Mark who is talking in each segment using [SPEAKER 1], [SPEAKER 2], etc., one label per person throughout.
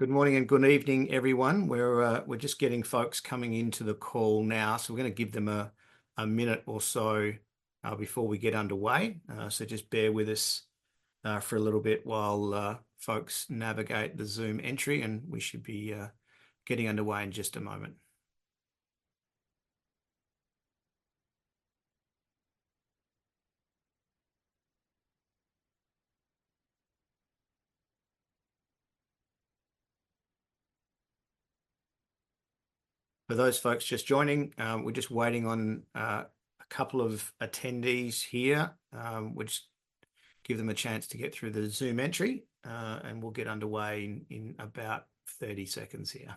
[SPEAKER 1] Good morning and good evening, everyone. We're just getting folks coming into the call now, so we're gonna give them a minute or so before we get underway. So just bear with us for a little bit while folks navigate the Zoom entry, and we should be getting underway in just a moment. For those folks just joining, we're just waiting on a couple of attendees here. We'll just give them a chance to get through the Zoom entry, and we'll get underway in about 30 seconds here.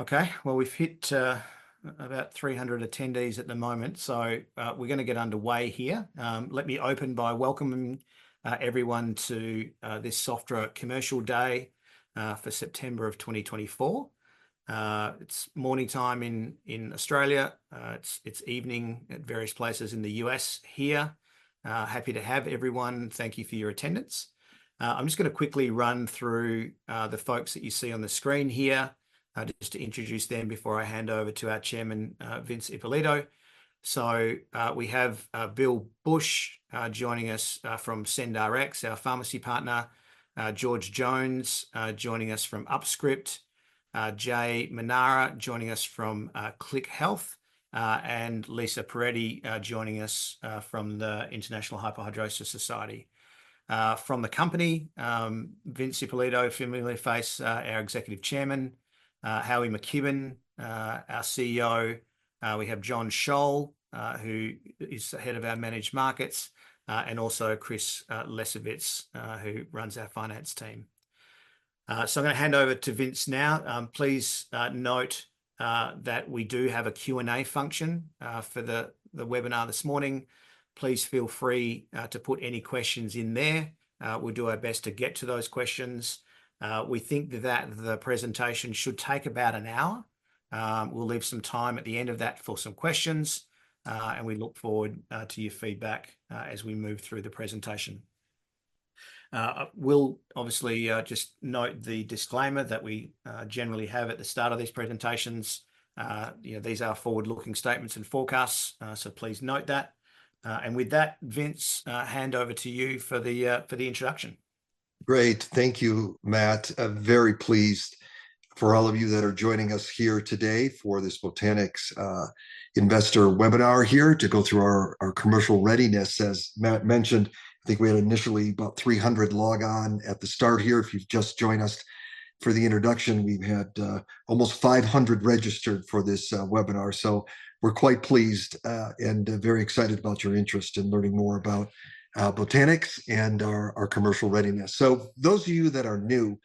[SPEAKER 1] Okay, well, we've hit about 300 attendees at the moment, so we're gonna get underway here. Let me open by welcoming everyone to this Sofdra commercial day for September of 2024. It's morning time in Australia. It's evening at various places in the U.S. here. Happy to have everyone. Thank you for your attendance. I'm just gonna quickly run through the folks that you see on the screen here, just to introduce them before I hand over to our chairman, Vince Ippolito. We have Bill Bush joining us from SendRx, our pharmacy partner. George Jones joining us from UpScript, Jay Manara joining us from Klick Health, and Lisa Pieretti joining us from the International Hyperhidrosis Society. From the company, Vince Ippolito, a familiar face, our Executive Chairman, Howie McKibbon, our CEO. We have John Schohl, who is the head of our managed markets, and also Chris Lesovitz, who runs our finance team, so I'm gonna hand over to Vince now. Please note that we do have a Q and A function for the webinar this morning. Please feel free to put any questions in there. We'll do our best to get to those questions. We think that the presentation should take about an hour. We'll leave some time at the end of that for some questions, and we look forward to your feedback as we move through the presentation. We'll obviously just note the disclaimer that we generally have at the start of these presentations. You know, these are forward-looking statements and forecasts, so please note that. And with that, Vince, hand over to you for the introduction.
[SPEAKER 2] Great. Thank you, Matt. I'm very pleased for all of you that are joining us here today for this Botanix Investor Webinar here to go through our commercial readiness. As Matt mentioned, I think we had initially about 300 log on at the start here. If you've just joined us for the introduction, we've had almost 500 registered for this webinar. So we're quite pleased and very excited about your interest in learning more about Botanix and our commercial readiness. So those of you that are new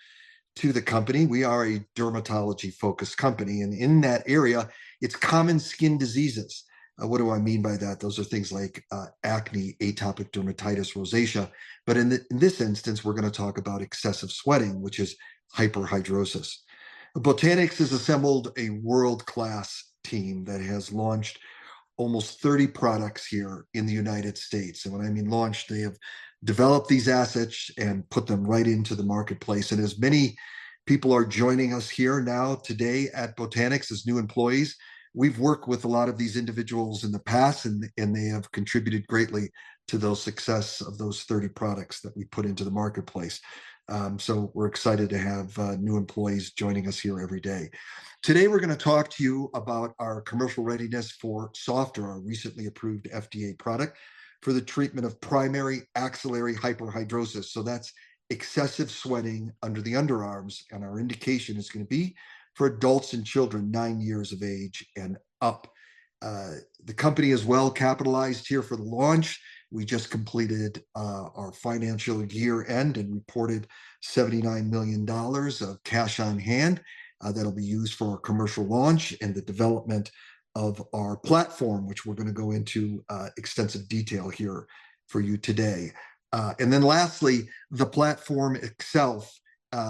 [SPEAKER 2] to the company, we are a dermatology-focused company, and in that area, it's common skin diseases. What do I mean by that? Those are things like acne, atopic dermatitis, rosacea, but in this instance, we're gonna talk about excessive sweating, which is hyperhidrosis. Botanix has assembled a world-class team that has launched almost 30 products here in the United States. And when I mean launched, they have developed these assets and put them right into the marketplace. And as many people are joining us here now today at Botanix as new employees, we've worked with a lot of these individuals in the past, and they have contributed greatly to the success of those 30 products that we put into the marketplace. So we're excited to have new employees joining us here every day. Today, we're gonna talk to you about our commercial readiness for Sofdra, our recently approved FDA product for the treatment of primary axillary hyperhidrosis, so that's excessive sweating under the underarms, and our indication is gonna be for adults and children nine years of age and up. The company is well capitalized here for the launch. We just completed our financial year-end and reported 79 million dollars of cash on hand, that'll be used for our commercial launch and the development of our platform, which we're gonna go into extensive detail here for you today, and then lastly, the platform itself.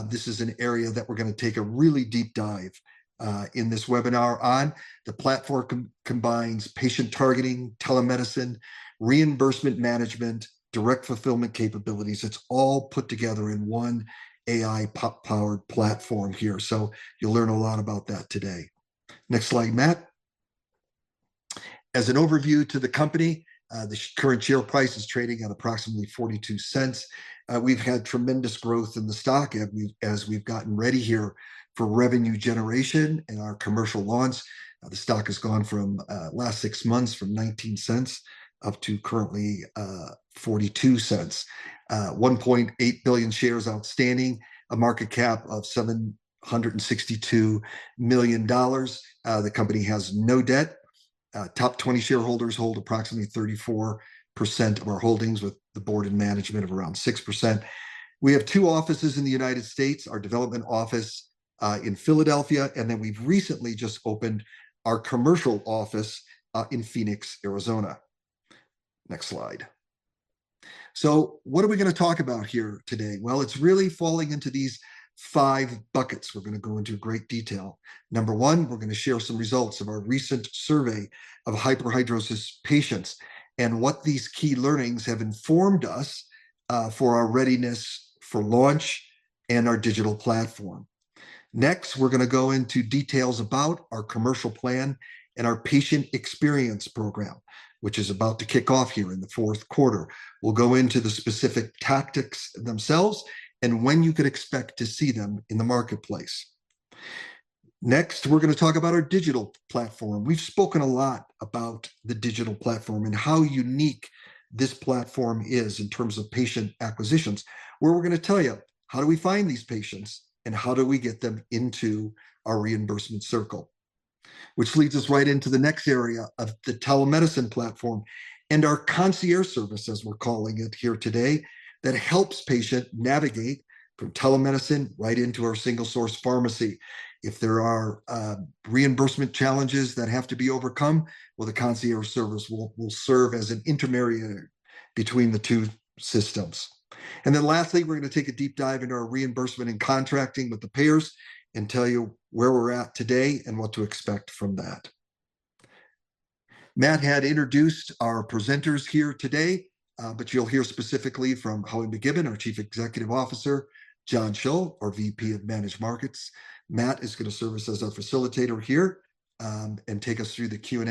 [SPEAKER 2] This is an area that we're gonna take a really deep dive in this webinar on. The platform combines patient targeting, telemedicine, reimbursement management, direct fulfillment capabilities. It's all put together in one AI-powered platform here, so you'll learn a lot about that today. Next slide, Matt. As an overview to the company, the current share price is trading at approximately 0.42. We've had tremendous growth in the stock as we've gotten ready here for revenue generation and our commercial launch. The stock has gone from last 6 months, from 0.19 up to currently, 0.42. 1.8 billion shares outstanding, a market cap of 762 million dollars. The company has no debt. Top 20 shareholders hold approximately 34% of our holdings, with the board and management of around 6%. We have two offices in the United States, our development office in Philadelphia, and then we've recently just opened our commercial office in Phoenix, Arizona. Next slide. So what are we gonna talk about here today? Well, it's really falling into these five buckets. We're gonna go into great detail. Number one, we're gonna share some results of our recent survey of hyperhidrosis patients, and what these key learnings have informed us for our readiness for launch and our digital platform. Next, we're gonna go into details about our commercial plan and our patient experience program, which is about to kick off here in the fourth quarter. We'll go into the specific tactics themselves, and when you can expect to see them in the marketplace. Next, we're gonna talk about our digital platform. We've spoken a lot about the digital platform, and how unique this platform is in terms of patient acquisitions, where we're gonna tell you, how do we find these patients, and how do we get them into our reimbursement circle? Which leads us right into the next area of the telemedicine platform and our concierge service, as we're calling it here today, that helps patients navigate from telemedicine right into our single source pharmacy. If there are reimbursement challenges that have to be overcome, well, the concierge service will serve as an intermediary between the two systems. And then lastly, we're gonna take a deep dive into our reimbursement and contracting with the payers, and tell you where we're at today and what to expect from that. Matt had introduced our presenters here today, but you'll hear specifically from Howie McKibbon, our Chief Executive Officer, John Schohl, our VP of Managed Markets. Matt is gonna serve as our facilitator here, and take us through the Q and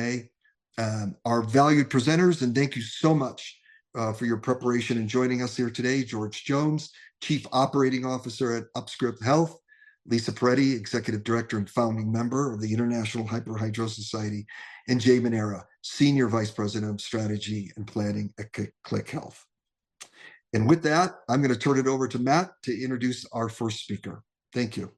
[SPEAKER 2] A. Our valued presenters, and thank you so much for your preparation in joining us here today, George Jones, Chief Operating Officer at UpScript Health, Lisa Pieretti, Executive Director and founding member of the International Hyperhidrosis Society, and Jay Manara, Senior Vice President of strategy and planning at Klick Health. With that, I'm gonna turn it over to Matt to introduce our first speaker. Thank you.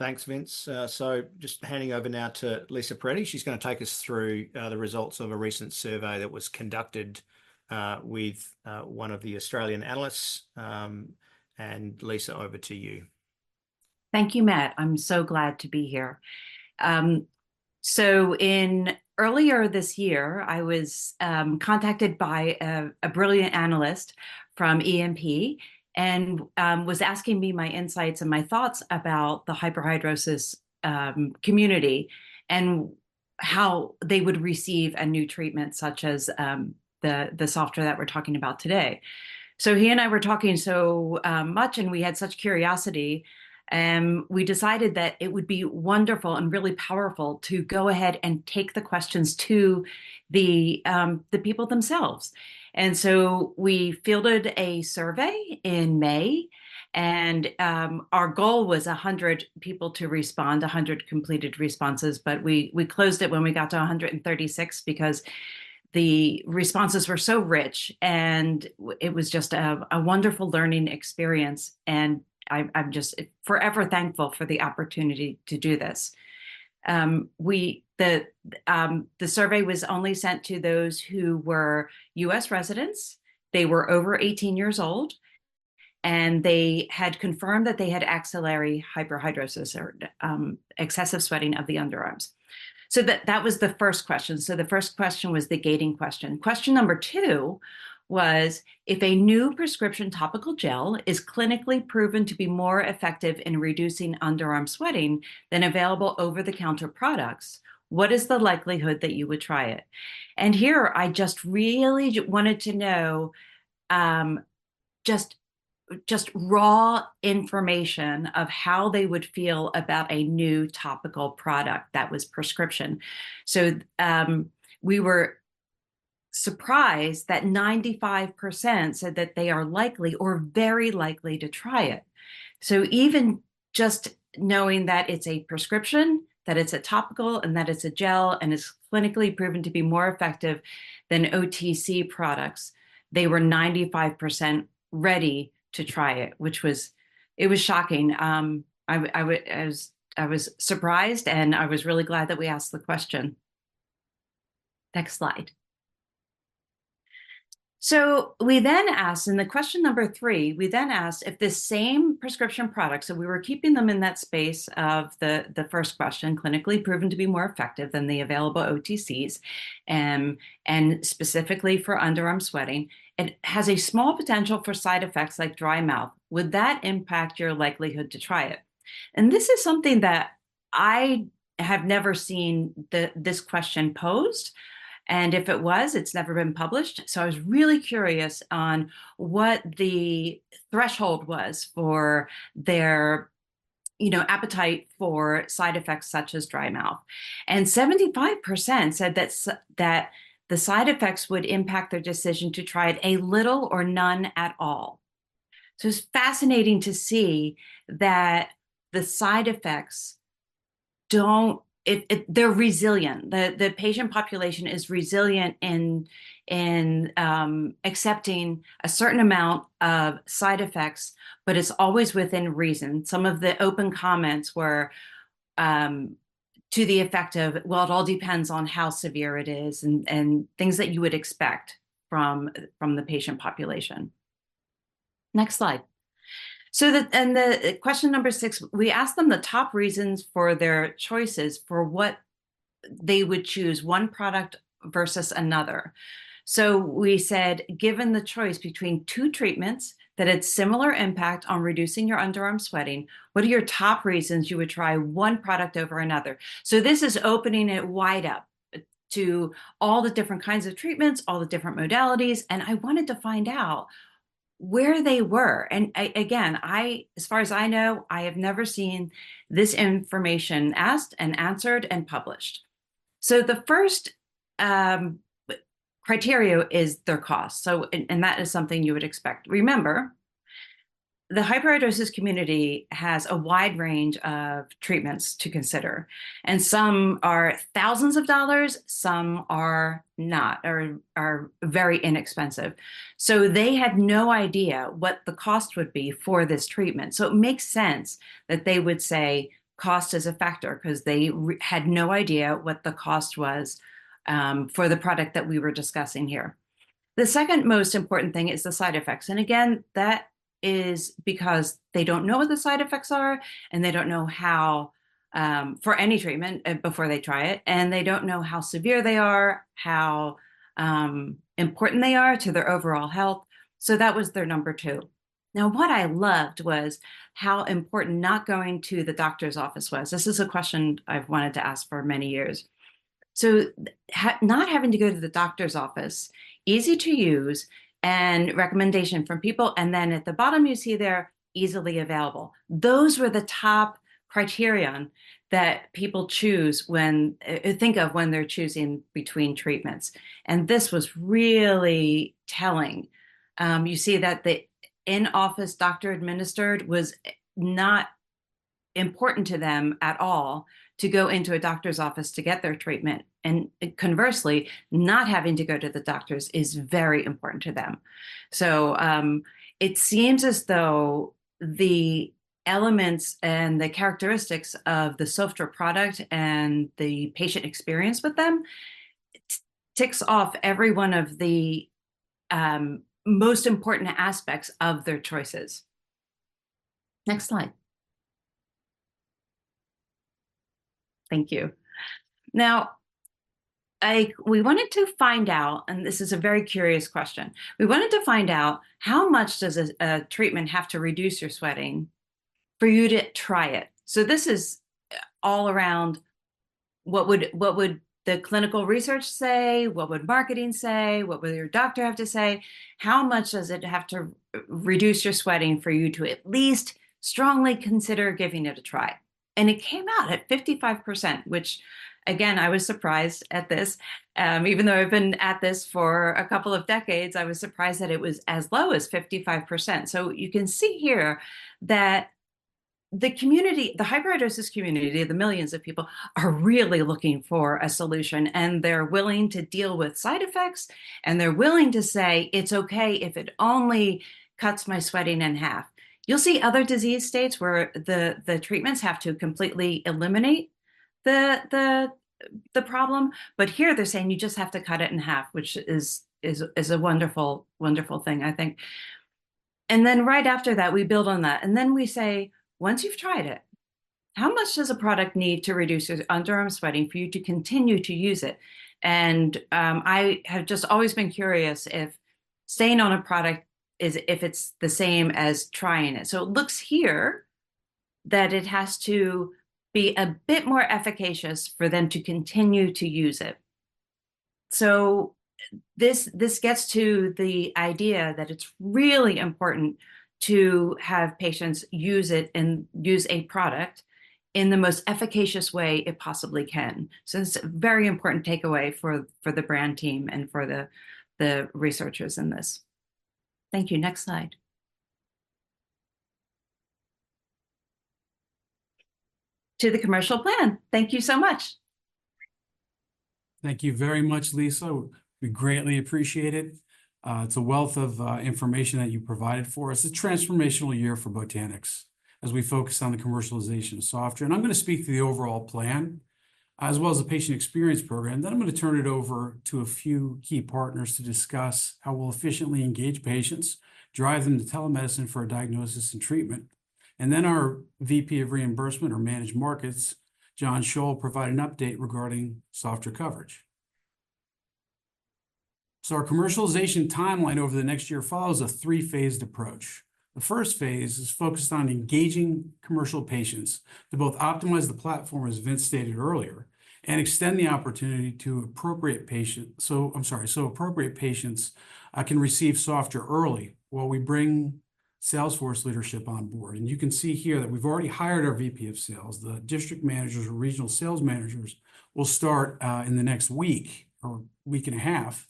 [SPEAKER 1] Thanks, Vince. So just handing over now to Lisa Pieretti. She's gonna take us through the results of a recent survey that was conducted with one of the Australian analysts. And Lisa, over to you.
[SPEAKER 3] Thank you, Matt. I'm so glad to be here. So in earlier this year, I was contacted by a brilliant analyst from E&P, and was asking me my insights and my thoughts about the hyperhidrosis community, and how they would receive a new treatment such as the Sofdra that we're talking about today. So he and I were talking so much, and we had such curiosity, we decided that it would be wonderful and really powerful to go ahead and take the questions to the people themselves. We fielded a survey in May, and our goal was 100 people to respond, 100 completed responses, but we closed it when we got to 136, because the responses were so rich, and it was just a wonderful learning experience, and I'm just forever thankful for the opportunity to do this. The survey was only sent to those who were U.S. residents. They were over 18 years old, and they had confirmed that they had axillary hyperhidrosis or excessive sweating of the underarms. So that was the first question, the gating question. Question number two was, if a new prescription topical gel is clinically proven to be more effective in reducing underarm sweating than available over-the-counter products, what is the likelihood that you would try it? And here, I just really wanted to know just raw information of how they would feel about a new topical product that was prescription. So, we were surprised that 95% said that they are likely or very likely to try it. So even just knowing that it's a prescription, that it's a topical, and that it's a gel, and is clinically proven to be more effective than OTC products, they were 95% ready to try it, which was, it was shocking. I was surprised, and I was really glad that we asked the question. Next slide. So we then asked, in the question number 3, we then asked if this same prescription product, so we were keeping them in that space of the first question, clinically proven to be more effective than the available OTCs, and specifically for underarm sweating, it has a small potential for side effects like dry mouth. Would that impact your likelihood to try it? And this is something that I have never seen this question posed, and if it was, it's never been published, so I was really curious on what the threshold was for their, you know, appetite for side effects such as dry mouth. And 75% said that the side effects would impact their decision to try it a little or none at all. So it's fascinating to see that the side effects don't, it, it, they're resilient. The patient population is resilient in accepting a certain amount of side effects, but it's always within reason. Some of the open comments were to the effect of, "Well, it all depends on how severe it is," and things that you would expect from the patient population. Next slide. So the question number 6, we asked them the top reasons for their choices for what they would choose, one product versus another. So we said, "Given the choice between two treatments that had similar impact on reducing your underarm sweating, what are your top reasons you would try one product over another?" So this is opening it wide up to all the different kinds of treatments, all the different modalities, and I wanted to find out where they were. And again, as far as I know, I have never seen this information asked, and answered, and published. So the first criteria is their cost, so. And that is something you would expect. Remember, the hyperhidrosis community has a wide range of treatments to consider, and some are thousands of dollars, some are not, or are very inexpensive. So they had no idea what the cost would be for this treatment. So it makes sense that they would say cost is a factor, 'cause they had no idea what the cost was for the product that we were discussing here. The second most important thing is the side effects, and again, that is because they don't know what the side effects are, and they don't know how for any treatment before they try it, and they don't know how severe they are, how important they are to their overall health. So that was their number 2. Now, what I loved was how important not going to the doctor's office was. This is a question I've wanted to ask for many years. So, not having to go to the doctor's office, easy to use, and recommendation from people, and then at the bottom, you see there, easily available. Those were the top criterion that people choose when they think of when they're choosing between treatments, and this was really telling. You see that the in-office, doctor-administered was not important to them at all, to go into a doctor's office to get their treatment, and conversely, not having to go to the doctor's is very important to them. So, it seems as though the elements and the characteristics of the Sofdra product and the patient experience with them ticks off every one of the most important aspects of their choices. Next slide. Thank you. Now, we wanted to find out, and this is a very curious question, how much does a treatment have to reduce your sweating for you to try it? So this is all around what would the clinical research say, what would marketing say, what would your doctor have to say? How much does it have to reduce your sweating for you to at least strongly consider giving it a try? It came out at 55%, which, again, I was surprised at this. Even though I've been at this for a couple of decades, I was surprised that it was as low as 55%. You can see here that the community, the hyperhidrosis community, the millions of people are really looking for a solution, and they're willing to deal with side effects, and they're willing to say, it's okay if it only cuts my sweating in half. You'll see other disease states where the problem, but here they're saying you just have to cut it in half, which is a wonderful thing, I think. And then right after that, we build on that, and then we say, once you've tried it, how much does a product need to reduce your underarm sweating for you to continue to use it? And, I have just always been curious if staying on a product is, if it's the same as trying it. So it looks here that it has to be a bit more efficacious for them to continue to use it. So this gets to the idea that it's really important to have patients use it and use a product in the most efficacious way it possibly can. So it's a very important takeaway for the brand team and for the researchers in this. Thank you. Next slide. To the commercial plan. Thank you so much.
[SPEAKER 4] Thank you very much, Lisa. We greatly appreciate it. It's a wealth of information that you provided for us. It's a transformational year for Botanix, as we focus on the commercialization of Sofdra. I'm gonna speak to the overall plan, as well as the patient experience program. Then I'm gonna turn it over to a few key partners to discuss how we'll efficiently engage patients, drive them to telemedicine for a diagnosis and treatment, and then our VP of reimbursement or managed markets, John Schohl, will provide an update regarding Sofdra coverage. Our commercialization timeline over the next year follows a three-phased approach. The first phase is focused on engaging commercial patients to both optimize the platform, as Vince stated earlier, and extend the opportunity to appropriate patient. I'm sorry. Appropriate patients can receive Sofdra early while we bring sales force leadership on board, and you can see here that we've already hired our VP of Sales. The district managers or regional sales managers will start in the next week or week and a half,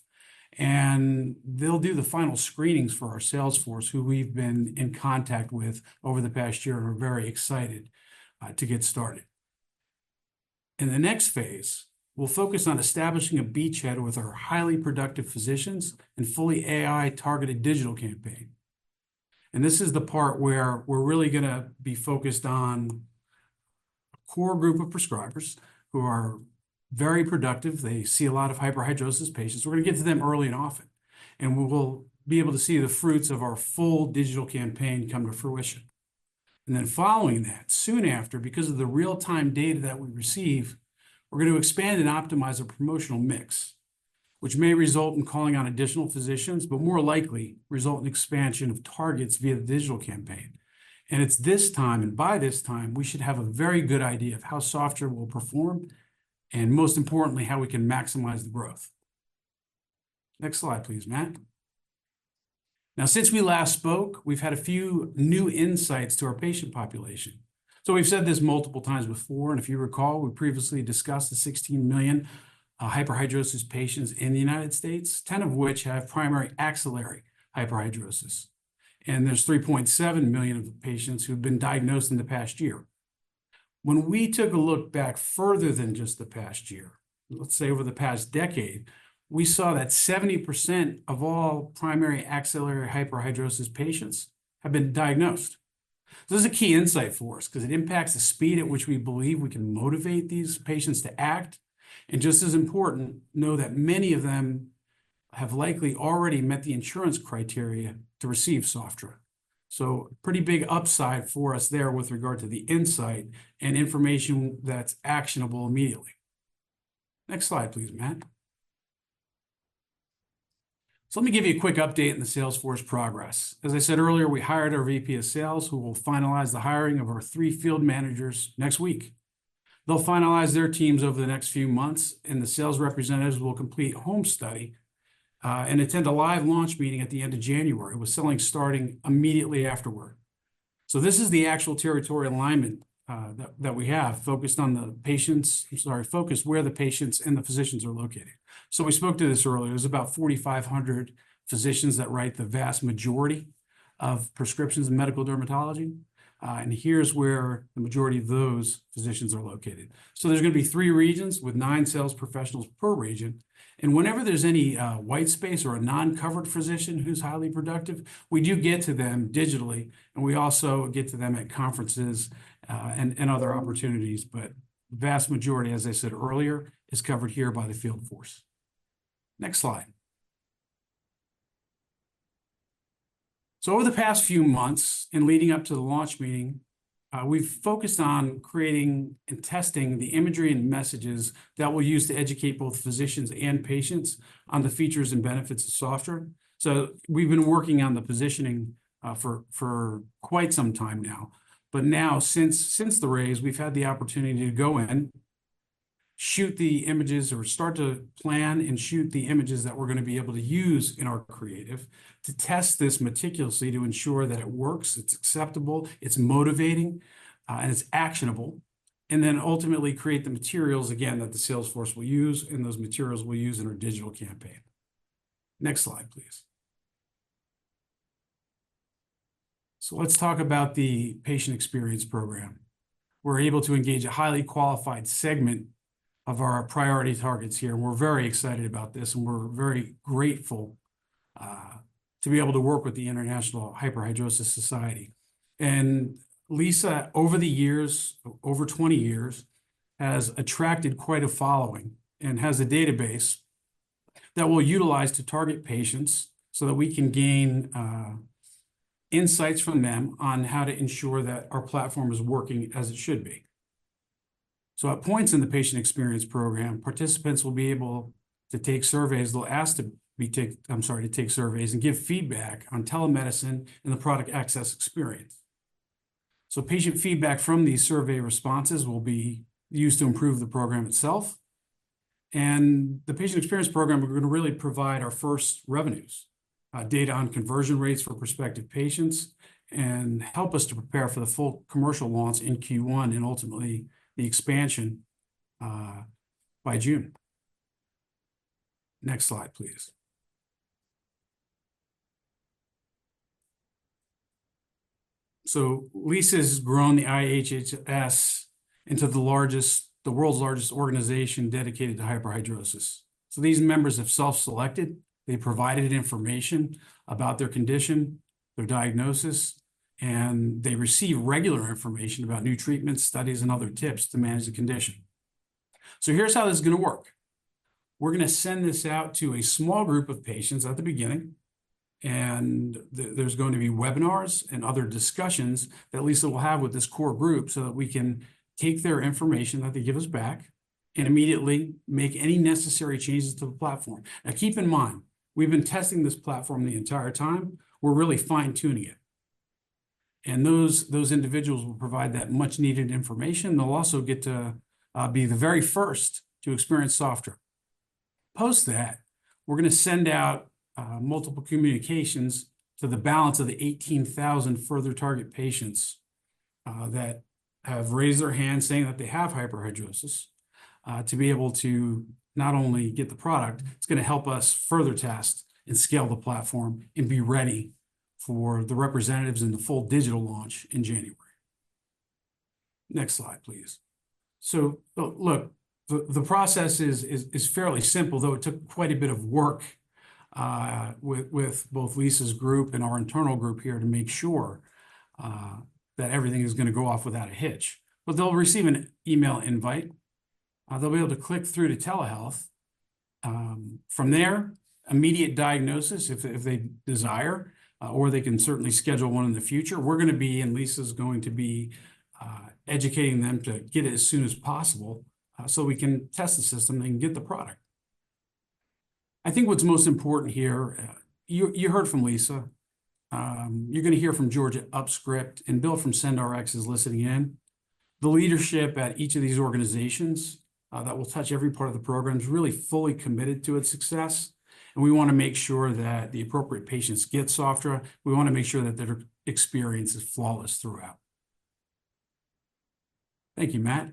[SPEAKER 4] and they'll do the final screenings for our sales force, who we've been in contact with over the past year and are very excited to get started. In the next phase, we'll focus on establishing a beachhead with our highly productive physicians and fully AI-targeted digital campaign, and this is the part where we're really gonna be focused on core group of prescribers who are very productive. They see a lot of hyperhidrosis patients. We're gonna get to them early and often, and we will be able to see the fruits of our full digital campaign come to fruition, and then following that, soon after, because of the real-time data that we receive, we're gonna expand and optimize our promotional mix, which may result in calling on additional physicians, but more likely result in expansion of targets via the digital campaign, and it's this time, and by this time, we should have a very good idea of how Sofdra will perform, and most importantly, how we can maximize the growth. Next slide, please, Matt. Now, since we last spoke, we've had a few new insights to our patient population. So we've said this multiple times before, and if you recall, we previously discussed the 16 million hyperhidrosis patients in the United States, 10 of which have primary axillary hyperhidrosis, and there's 3.7 million of the patients who've been diagnosed in the past year. When we took a look back further than just the past year, let's say over the past decade, we saw that 70% of all primary axillary hyperhidrosis patients have been diagnosed. This is a key insight for us 'cause it impacts the speed at which we believe we can motivate these patients to act, and just as important, know that many of them have likely already met the insurance criteria to receive Sofdra. So pretty big upside for us there with regard to the insight and information that's actionable immediately. Next slide, please, Matt. So let me give you a quick update on the Sales force progress. As I said earlier, we hired our VP of sales, who will finalize the hiring of our three field managers next week. They'll finalize their teams over the next few months, and the sales representatives will complete a home study and attend a live launch meeting at the end of January, with selling starting immediately afterward. So this is the actual territory alignment that we have, focused where the patients and the physicians are located. So we spoke to this earlier. There's about 4,500 physicians that write the vast majority of prescriptions in medical dermatology, and here's where the majority of those physicians are located. So there's gonna be three regions with nine sales professionals per region, and whenever there's any white space or a non-covered physician who's highly productive, we do get to them digitally, and we also get to them at conferences and other opportunities. But the vast majority, as I said earlier, is covered here by the field force. Next slide. So over the past few months, in leading up to the launch meeting, we've focused on creating and testing the imagery and messages that we'll use to educate both physicians and patients on the features and benefits of Sofdra. So we've been working on the positioning for quite some time now, but now, since the raise, we've had the opportunity to go in, shoot the images or start to plan and shoot the images that we're gonna be able to use in our creative to test this meticulously to ensure that it works, it's acceptable, it's motivating, and it's actionable. And then ultimately create the materials, again, that the sales force will use and those materials we'll use in our digital campaign. Next slide, please. So let's talk about the patient experience program. We're able to engage a highly qualified segment of our priority targets here. We're very excited about this, and we're very grateful to be able to work with the International Hyperhidrosis Society. Lisa, over the years, over 20 years, has attracted quite a following and has a database that we'll utilize to target patients so that we can gain insights from them on how to ensure that our platform is working as it should be. At points in the patient experience program, participants will be able to take surveys. They'll be asked to take surveys and give feedback on telemedicine and the product access experience. Patient feedback from these survey responses will be used to improve the program itself. The patient experience program is gonna really provide our first revenues data on conversion rates for prospective patients, and help us to prepare for the full commercial launch in Q1 and ultimately the expansion by June. Next slide, please. So Lisa's grown the IHHS into the world's largest organization dedicated to hyperhidrosis. So these members have self-selected. They provided information about their condition, their diagnosis, and they receive regular information about new treatments, studies, and other tips to manage the condition. So here's how this is gonna work: We're gonna send this out to a small group of patients at the beginning, and there, there's going to be webinars and other discussions that Lisa will have with this core group so that we can take their information that they give us back and immediately make any necessary changes to the platform. Now, keep in mind, we've been testing this platform the entire time. We're really fine-tuning it, and those individuals will provide that much-needed information. They'll also get to be the very first to experience Sofdra. Post that, we're gonna send out multiple communications to the balance of the 18,000 further target patients that have raised their hand, saying that they have hyperhidrosis, to be able to not only get the product, it's gonna help us further test and scale the platform and be ready for the representatives in the full digital launch in January. Next slide, please. So, well, look. The process is fairly simple, though it took quite a bit of work with both Lisa's group and our internal group here to make sure that everything is gonna go off without a hitch. But they'll receive an email invite. They'll be able to click through to telehealth. From there, immediate diagnosis if they desire, or they can certainly schedule one in the future. We're gonna be, and Lisa's going to be, educating them to get in as soon as possible, so we can test the system and get the product. I think what's most important here, you, you heard from Lisa, you're gonna hear from George at UpScript, and Bill from SendRx is listening in. The leadership at each of these organizations, that will touch every part of the program, is really fully committed to its success, and we wanna make sure that the appropriate patients get Sofdra. We wanna make sure that their experience is flawless throughout. Thank you, Matt.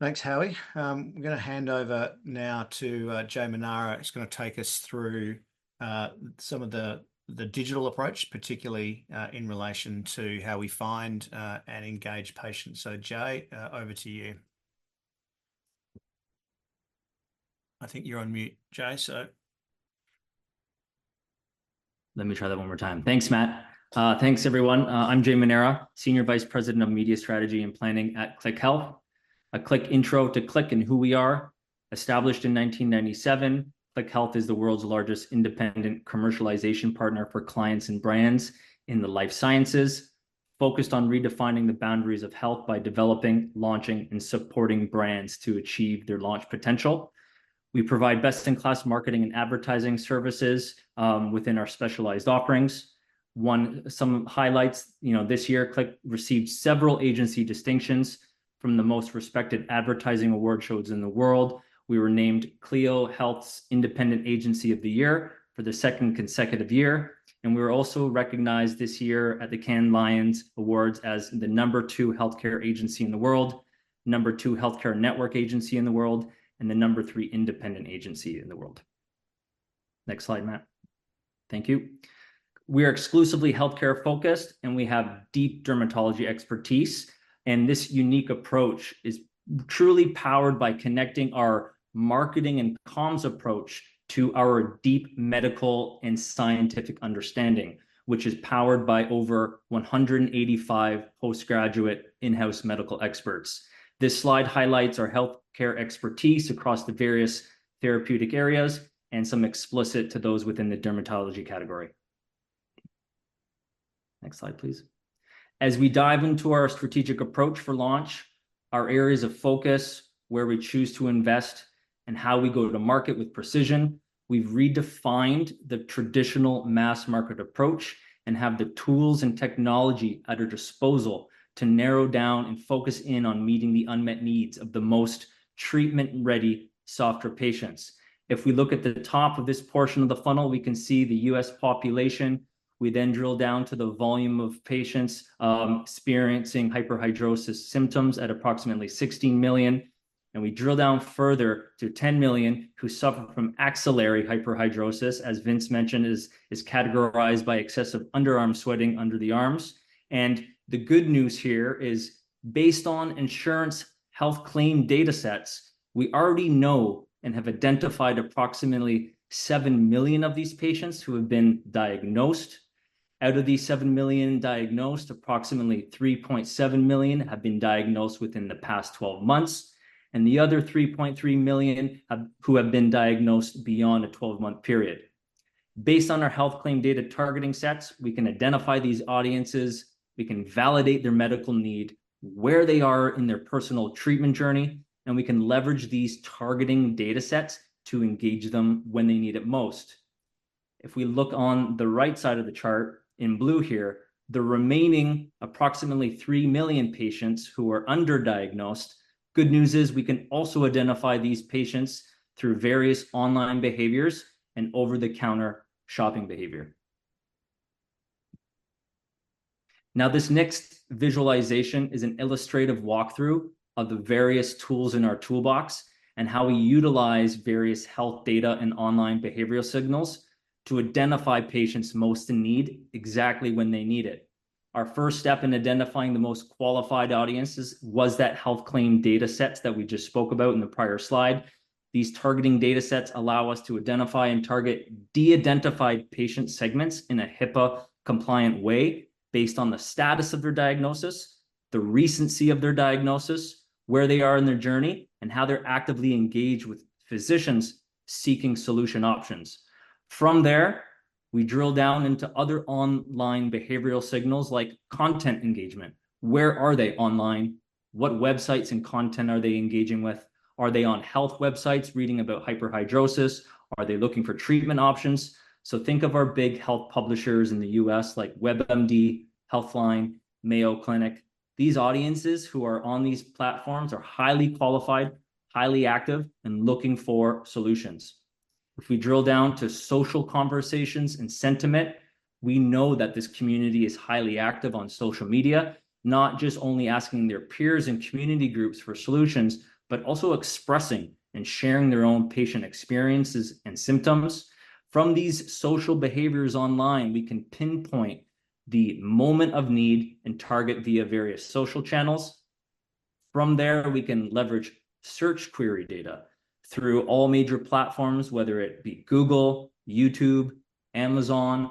[SPEAKER 1] Thanks, Howie. I'm gonna hand over now to Jay Manara, who's gonna take us through some of the digital approach, particularly in relation to how we find and engage patients. So Jay, over to you. I think you're on mute, Jay, so.
[SPEAKER 5] Let me try that one more time. Thanks, Matt. Thanks, everyone. I'm Jay Manara, Senior Vice President of Media Strategy and Planning at Klick Health. A quick intro to Klick and who we are: established in 1997, Klick Health is the world's largest independent commercialization partner for clients and brands in the life sciences, focused on redefining the boundaries of health by developing, launching, and supporting brands to achieve their launch potential. We provide best-in-class marketing and advertising services within our specialized offerings. Some highlights. You know, this year, Klick received several agency distinctions from the most respected advertising award shows in the world. We were named Clio Health's Independent Agency of the Year for the second consecutive year, and we were also recognized this year at the Cannes Lions Awards as the number two healthcare agency in the world, number two healthcare network agency in the world, and the number three independent agency in the world. Next slide, Matt. Thank you. We're exclusively healthcare focused, and we have deep dermatology expertise, and this unique approach is truly powered by connecting our marketing and comms approach to our deep medical and scientific understanding, which is powered by over 185 post-graduate in-house medical experts. This slide highlights our healthcare expertise across the various therapeutic areas, and some specific to those within the dermatology category. Next slide, please. As we dive into our strategic approach for launch, our areas of focus, where we choose to invest, and how we go to market with precision, we've redefined the traditional mass market approach, and have the tools and technology at our disposal to narrow down and focus in on meeting the unmet needs of the most treatment-ready Softra patients. If we look at the top of this portion of the funnel, we can see the U.S. population. We then drill down to the volume of patients experiencing hyperhidrosis symptoms at approximately 16 million, and we drill down further to 10 million who suffer from axillary hyperhidrosis, as Vince mentioned, is categorized by excessive underarm sweating under the arms. The good news here is, based on insurance health claim data sets, we already know and have identified approximately 7 million of these patients who have been diagnosed. Out of these 7 million diagnosed, approximately 3.7 million have been diagnosed within the past 12 months, and the other 3.3 million have, who have been diagnosed beyond a 12-month period. Based on our health claim data targeting sets, we can identify these audiences, we can validate their medical need, where they are in their personal treatment journey, and we can leverage these targeting data sets to engage them when they need it most. If we look on the right side of the chart in blue here, the remaining approximately 3 million patients who are under-diagnosed. Good news is we can also identify these patients through various online behaviors and over-the-counter shopping behavior. Now, this next visualization is an illustrative walkthrough of the various tools in our toolbox, and how we utilize various health data and online behavioral signals to identify patients most in need, exactly when they need it. Our first step in identifying the most qualified audiences was that health claim data sets that we just spoke about in the prior slide. These targeting data sets allow us to identify and target de-identified patient segments in a HIPAA-compliant way, based on the status of their diagnosis, the recency of their diagnosis, where they are in their journey, and how they're actively engaged with physicians seeking solution options. From there, we drill down into other online behavioral signals, like content engagement. Where are they online? What websites and content are they engaging with? Are they on health websites reading about hyperhidrosis? Are they looking for treatment options? So think of our big health publishers in the U.S., like WebMD, Healthline, Mayo Clinic. These audiences who are on these platforms are highly qualified, highly active, and looking for solutions. If we drill down to social conversations and sentiment, we know that this community is highly active on social media, not just only asking their peers and community groups for solutions, but also expressing and sharing their own patient experiences and symptoms. From these social behaviors online, we can pinpoint the moment of need and target via various social channels. From there, we can leverage search query data through all major platforms, whether it be Google, YouTube, Amazon,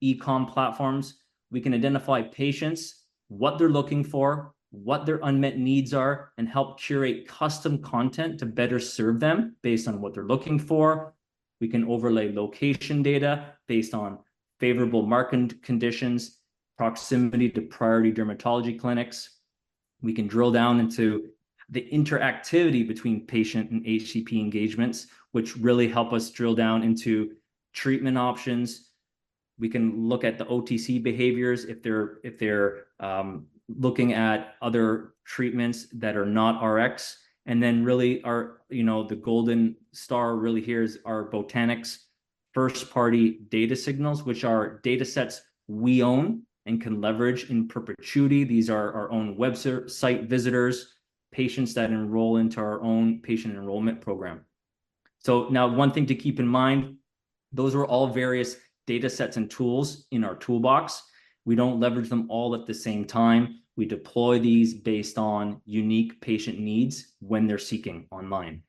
[SPEAKER 5] e-com platforms. We can identify patients, what they're looking for, what their unmet needs are, and help curate custom content to better serve them based on what they're looking for. We can overlay location data based on favorable market conditions, proximity to priority dermatology clinics. We can drill down into the interactivity between patient and HCP engagements, which really help us drill down into treatment options. We can look at the OTC behaviors if they're looking at other treatments that are not Rx, and then really our, you know, the golden star really here is our Botanix first-party data signals, which are data sets we own and can leverage in perpetuity. These are our own website visitors, patients that enroll into our own patient enrollment program. So now one thing to keep in mind, those are all various data sets and tools in our toolbox. We don't leverage them all at the same time. We deploy these based on unique patient needs when they're seeking online,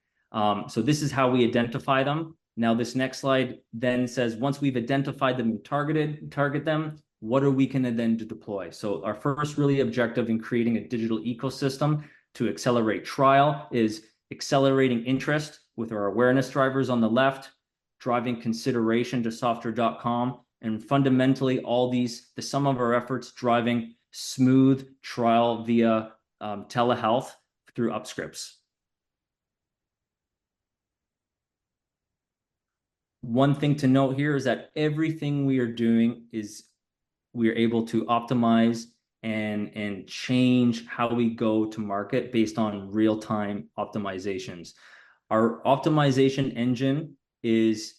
[SPEAKER 5] so this is how we identify them. Now, this next slide then says, once we've identified them and targeted them, what are we gonna then deploy? So our first really objective in creating a digital ecosystem to accelerate trial is accelerating interest with our awareness drivers on the left, driving consideration to Sofdra.com, and fundamentally, all these, the sum of our efforts driving smooth trial via telehealth through UpScript. One thing to note here is that everything we are doing is we are able to optimize and change how we go to market based on real-time optimizations. Our optimization engine is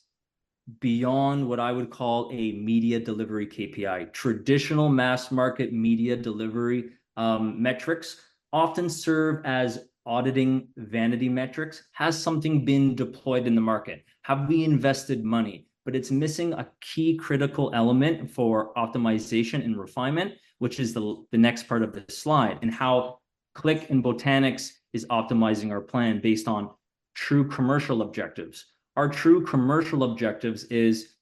[SPEAKER 5] beyond what I would call a media delivery KPI. Traditional mass market media delivery metrics often serve as auditing vanity metrics. Has something been deployed in the market? Have we invested money? But it's missing a key critical element for optimization and refinement, which is the next part of the slide, and how Klick and Botanix is optimizing our plan based on true commercial objectives. Our true commercial objectives is,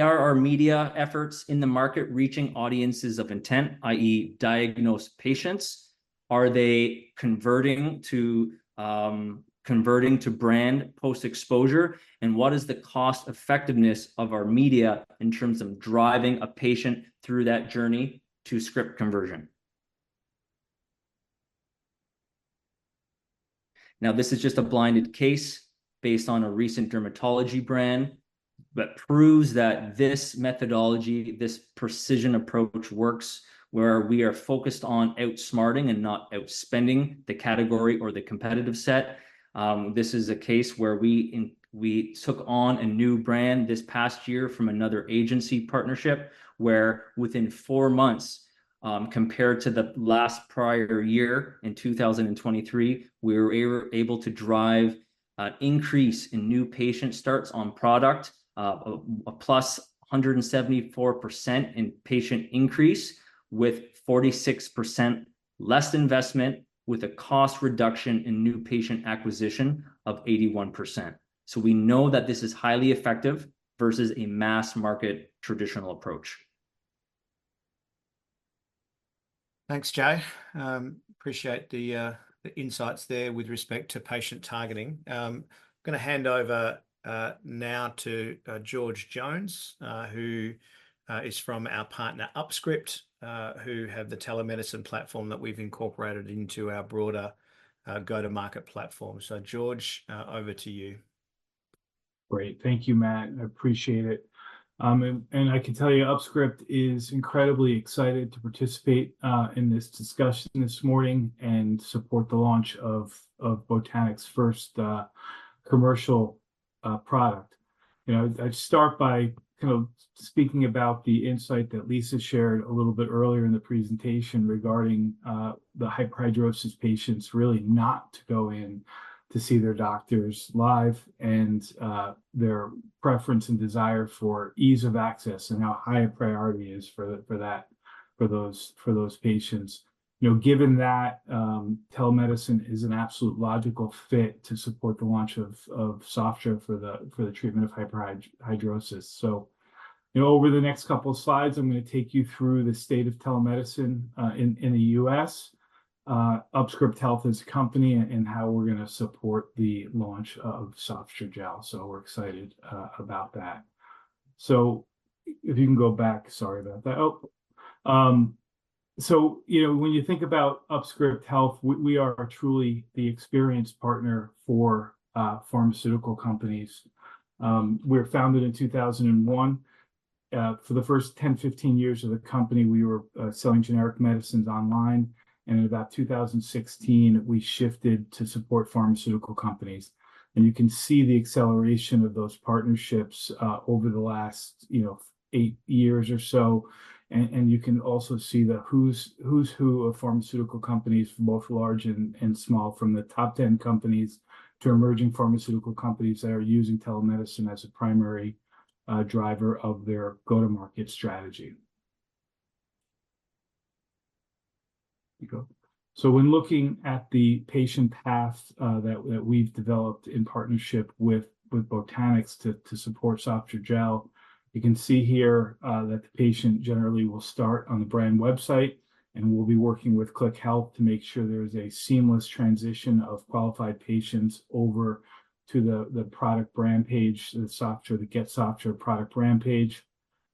[SPEAKER 5] are our media efforts in the market reaching audiences of intent, i.e., diagnosed patients? Are they converting to, converting to brand post-exposure? And what is the cost effectiveness of our media in terms of driving a patient through that journey to script conversion? Now, this is just a blinded case based on a recent dermatology brand, but proves that this methodology, this precision approach, works, where we are focused on outsmarting and not outspending the category or the competitive set. This is a case where we in. We took on a new brand this past year from another agency partnership, where within 4-months, compared to the last prior year in 2023, we were able to drive an increase in new patient starts on product, a plus 174% in patient increase, with 46% less investment, with a cost reduction in new patient acquisition of 81%. So we know that this is highly effective versus a mass market traditional approach.
[SPEAKER 1] Thanks, Jay. Appreciate the insights there with respect to patient targeting. I'm gonna hand over now to George Jones, who is from our partner, UpScript, who have the telemedicine platform that we've incorporated into our broader go-to-market platform. So George, over to you.
[SPEAKER 6] Great. Thank you, Matt, I appreciate it. I can tell you UpScript is incredibly excited to participate in this discussion this morning and support the launch of Botanix's first commercial product. You know, I'd start by kind of speaking about the insight that Lisa shared a little bit earlier in the presentation regarding the hyperhidrosis patients really not to go in to see their doctors live, and their preference and desire for ease of access, and how high a priority that is for those patients. You know, given that, telemedicine is an absolute logical fit to support the launch of Sofdra for the treatment of hyperhidrosis. So, you know, over the next couple of slides, I'm gonna take you through the state of telemedicine in the U.S., UpScript Health as a company, and how we're gonna support the launch of Sofdra gel. We're excited about that. If you can go back, sorry about that. You know, when you think about UpScript Health, we are truly the experience partner for pharmaceutical companies. We were founded in 2001. For the first 10, 15 years of the company, we were selling generic medicines online, and in about 2016, we shifted to support pharmaceutical companies. You can see the acceleration of those partnerships over the last, you know, 8 years or so. You can also see the who's who of pharmaceutical companies, both large and small, from the top 10 companies to emerging pharmaceutical companies that are using telemedicine as a primary driver of their go-to-market strategy. So when looking at the patient path that we've developed in partnership with Botanix to support Sofdra gel, you can see here that the patient generally will start on the brand website, and we'll be working with Klick Health to make sure there's a seamless transition of qualified patients over to the product brand page, the Sofdra, the Get Sofdra product brand page.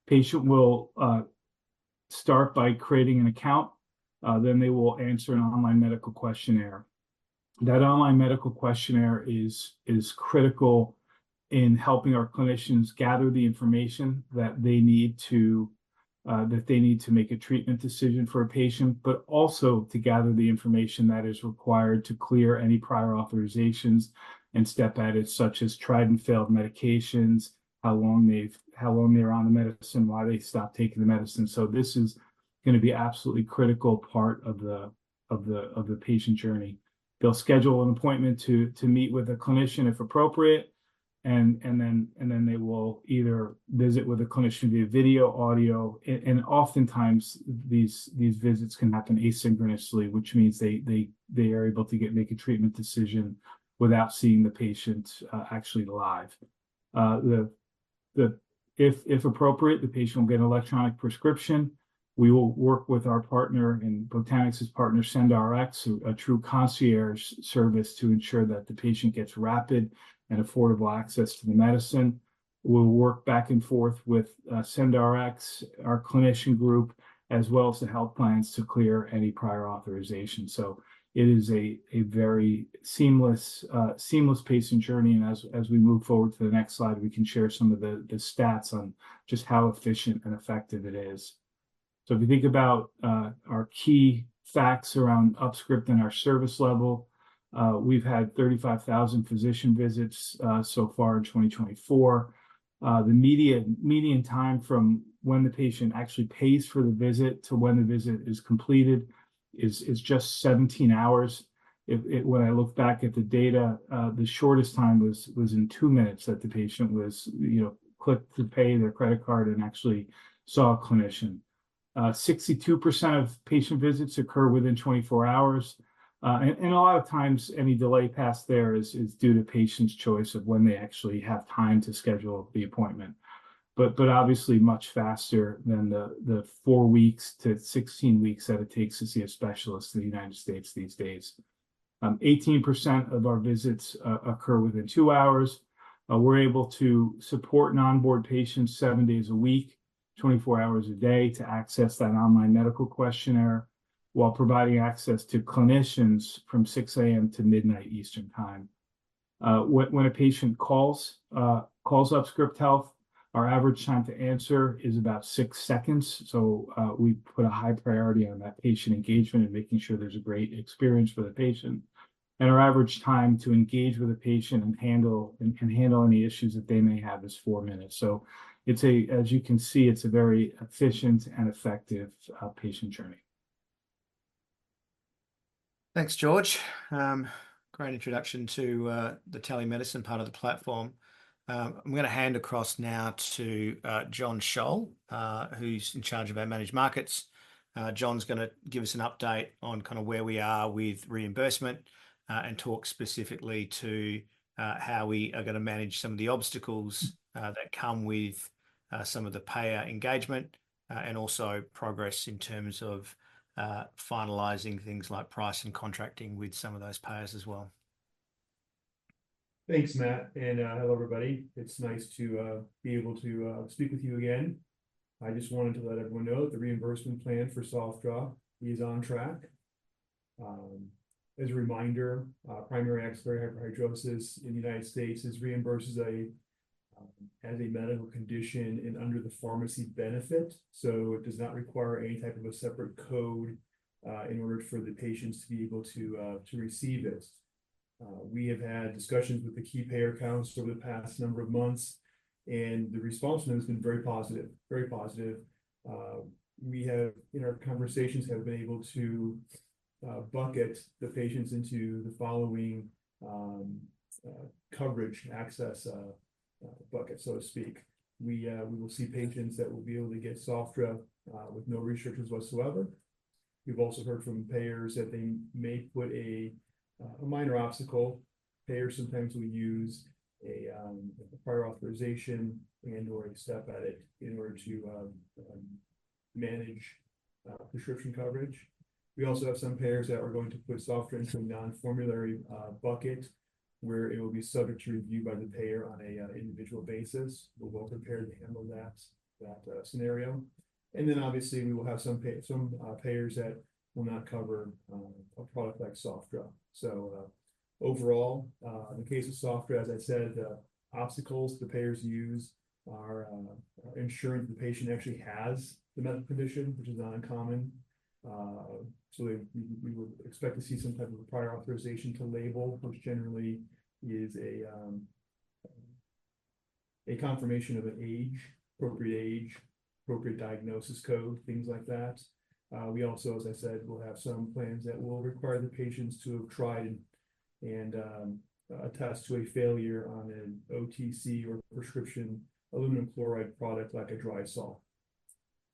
[SPEAKER 6] Patient will start by creating an account, then they will answer an online medical questionnaire. That online medical questionnaire is critical in helping our clinicians gather the information that they need to make a treatment decision for a patient, but also to gather the information that is required to clear any prior authorizations and step edit, such as tried and failed medications, how long they were on the medicine, why they stopped taking the medicine. So this is gonna be absolutely critical part of the patient journey. They will schedule an appointment to meet with a clinician, if appropriate, and then they will either visit with a clinician via video, audio, and oftentimes, these visits can happen asynchronously, which means they are able to make a treatment decision without seeing the patient actually live. If appropriate, the patient will get an electronic prescription. We will work with our partner, and Botanix's partner, SendRx, a true concierge service, to ensure that the patient gets rapid and affordable access to the medicine. We'll work back and forth with SendRx, our clinician group, as well as the health plans to clear any prior authorization, so it is a very seamless patient journey, and as we move forward to the next slide, we can share some of the stats on just how efficient and effective it is, so if you think about our key facts around UpScript and our service level, we've had 35,000 physician visits so far in 2024. The median time from when the patient actually pays for the visit to when the visit is completed is just 17 hours. When I look back at the data, the shortest time was in 2 minutes. That the patient, you know, clicked to pay their credit card and actually saw a clinician. 62% of patient visits occur within 24 hours, and a lot of times, any delay past there is due to patients' choice of when they actually have time to schedule the appointment, but obviously much faster than the 4 weeks to 16 weeks that it takes to see a specialist in the United States these days. 18% of our visits occur within 2 hours. We're able to support and onboard patients seven days a week, 24 hours a day, to access that online medical questionnaire, while providing access to clinicians from 6:00 A.M. to midnight Eastern Time. When a patient calls UpScript Health, our average time to answer is about 6 seconds. So, we put a high priority on that patient engagement and making sure there's a great experience for the patient. Our average time to engage with a patient and handle and can handle any issues that they may have is 4 minutes. So, as you can see, it's a very efficient and effective patient journey.
[SPEAKER 1] Thanks, George. Great introduction to the telemedicine part of the platform. I'm gonna hand across now to John Schohl, who's in charge of our managed markets. John's gonna give us an update on kind of where we are with reimbursement, and talk specifically to how we are gonna manage some of the obstacles that come with some of the payer engagement, and also progress in terms of finalizing things like price and contracting with some of those payers as well.
[SPEAKER 7] Thanks, Matt, and hello, everybody. It's nice to be able to speak with you again. I just wanted to let everyone know that the reimbursement plan for Sofdra is on track. As a reminder, primary axillary hyperhidrosis in the United States is reimbursed as a medical condition and under the pharmacy benefit. So it does not require any type of a separate code in order for the patients to be able to receive it. We have had discussions with the key payer accounts over the past number of months, and the response has been very positive, very positive. In our conversations, we have been able to bucket the patients into the following coverage access bucket, so to speak. We will see patients that will be able to get Sofdra with no restrictions whatsoever. We've also heard from payers that they may put a minor obstacle. Payers sometimes will use a prior authorization and/or a step edit in order to manage prescription coverage. We also have some payers that are going to put Sofdra into a non-formulary bucket, where it will be subject to review by the payer on a individual basis. We're well prepared to handle that scenario. And then obviously, we will have some payers that will not cover a product like Sofdra. So overall, in the case of Sofdra, as I said, the obstacles the payers use are ensuring the patient actually has the medical condition, which is not uncommon. So we would expect to see some type of a prior authorization to label, which generally is a confirmation of an age appropriate diagnosis code, things like that. We also, as I said, will have some plans that will require the patients to have tried and attest to a failure on an OTC or prescription aluminum chloride product, like a Drysol.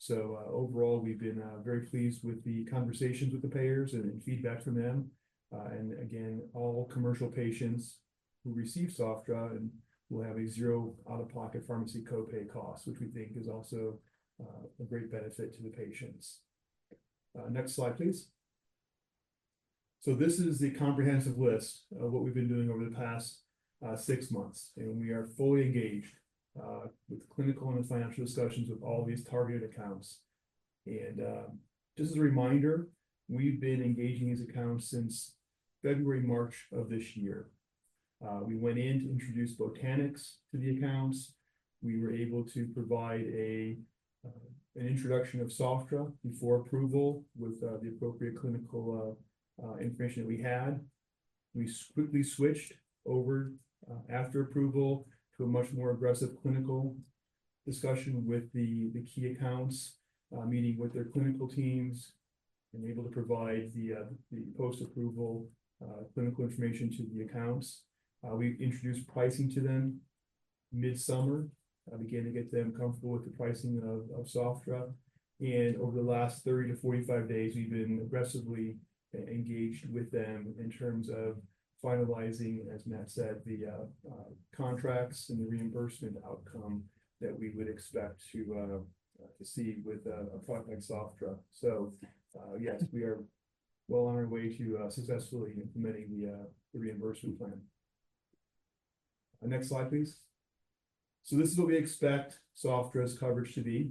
[SPEAKER 7] So overall, we've been very pleased with the conversations with the payers and the feedback from them. And again, all commercial patients who receive Sofdra will have a zero out-of-pocket pharmacy copay cost, which we think is also a great benefit to the patients. Next slide, please. So this is the comprehensive list of what we've been doing over the past 6 months, and we are fully engaged with clinical and financial discussions with all these targeted accounts. And just as a reminder, we've been engaging these accounts since February, March of this year. We went in to introduce Botanix to the accounts. We were able to provide an introduction of Sofdra before approval with the appropriate clinical information that we had. We swiftly switched over after approval to a much more aggressive clinical discussion with the key accounts, meeting with their clinical teams, and able to provide the post-approval clinical information to the accounts. We introduced pricing to them mid-summer, began to get them comfortable with the pricing of Sofdra. And over the last 35 to 45 days, we've been aggressively engaged with them in terms of finalizing, as Matt said, the contracts and the reimbursement outcome that we would expect to see with a product like Sofdra. So, yes, we are well on our way to successfully implementing the reimbursement plan. Next slide, please. So this is what we expect Sofdra's coverage to be.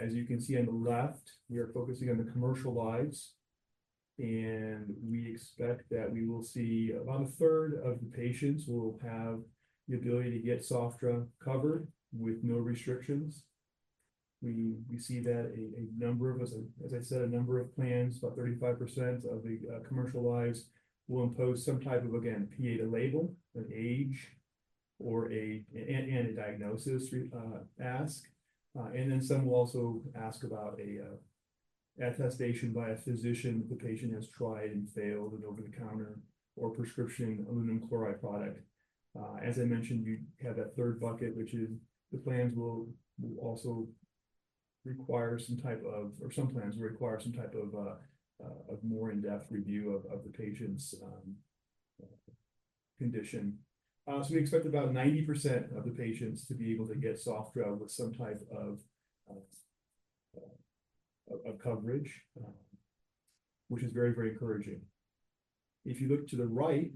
[SPEAKER 7] As you can see on the left, we are focusing on the commercial lines, and we expect that we will see about a third of the patients will have the ability to get Sofdra covered with no restrictions. We see that a number of, as I said, a number of plans, about 35% of the commercial lives, will impose some type of, again, PA to validate an age or a diagnosis requirement. And then some will also ask about an attestation by a physician if the patient has tried and failed an over-the-counter or prescription aluminum chloride product. As I mentioned, we have that third bucket, which is the plans will also require some type of or some plans will require some type of a more in-depth review of the patient's condition. So we expect about 90% of the patients to be able to get Sofdra with some type of coverage, which is very, very encouraging. If you look to the right,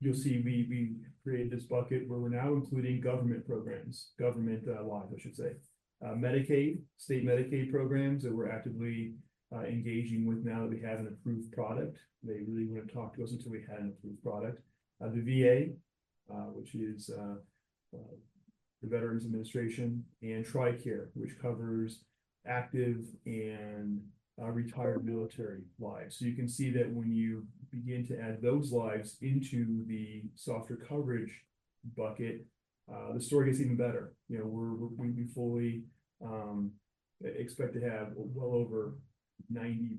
[SPEAKER 7] you'll see we created this bucket where we're now including government programs. Government lives, I should say. Medicaid, state Medicaid programs that we're actively engaging with now that we have an approved product. They really wouldn't talk to us until we had an approved product. The VA, which is the Veterans Administration, and TRICARE, which covers active and retired military lives. So you can see that when you begin to add those lives into the Sofdra coverage bucket, the story gets even better. You know, we're fully expect to have well over 94%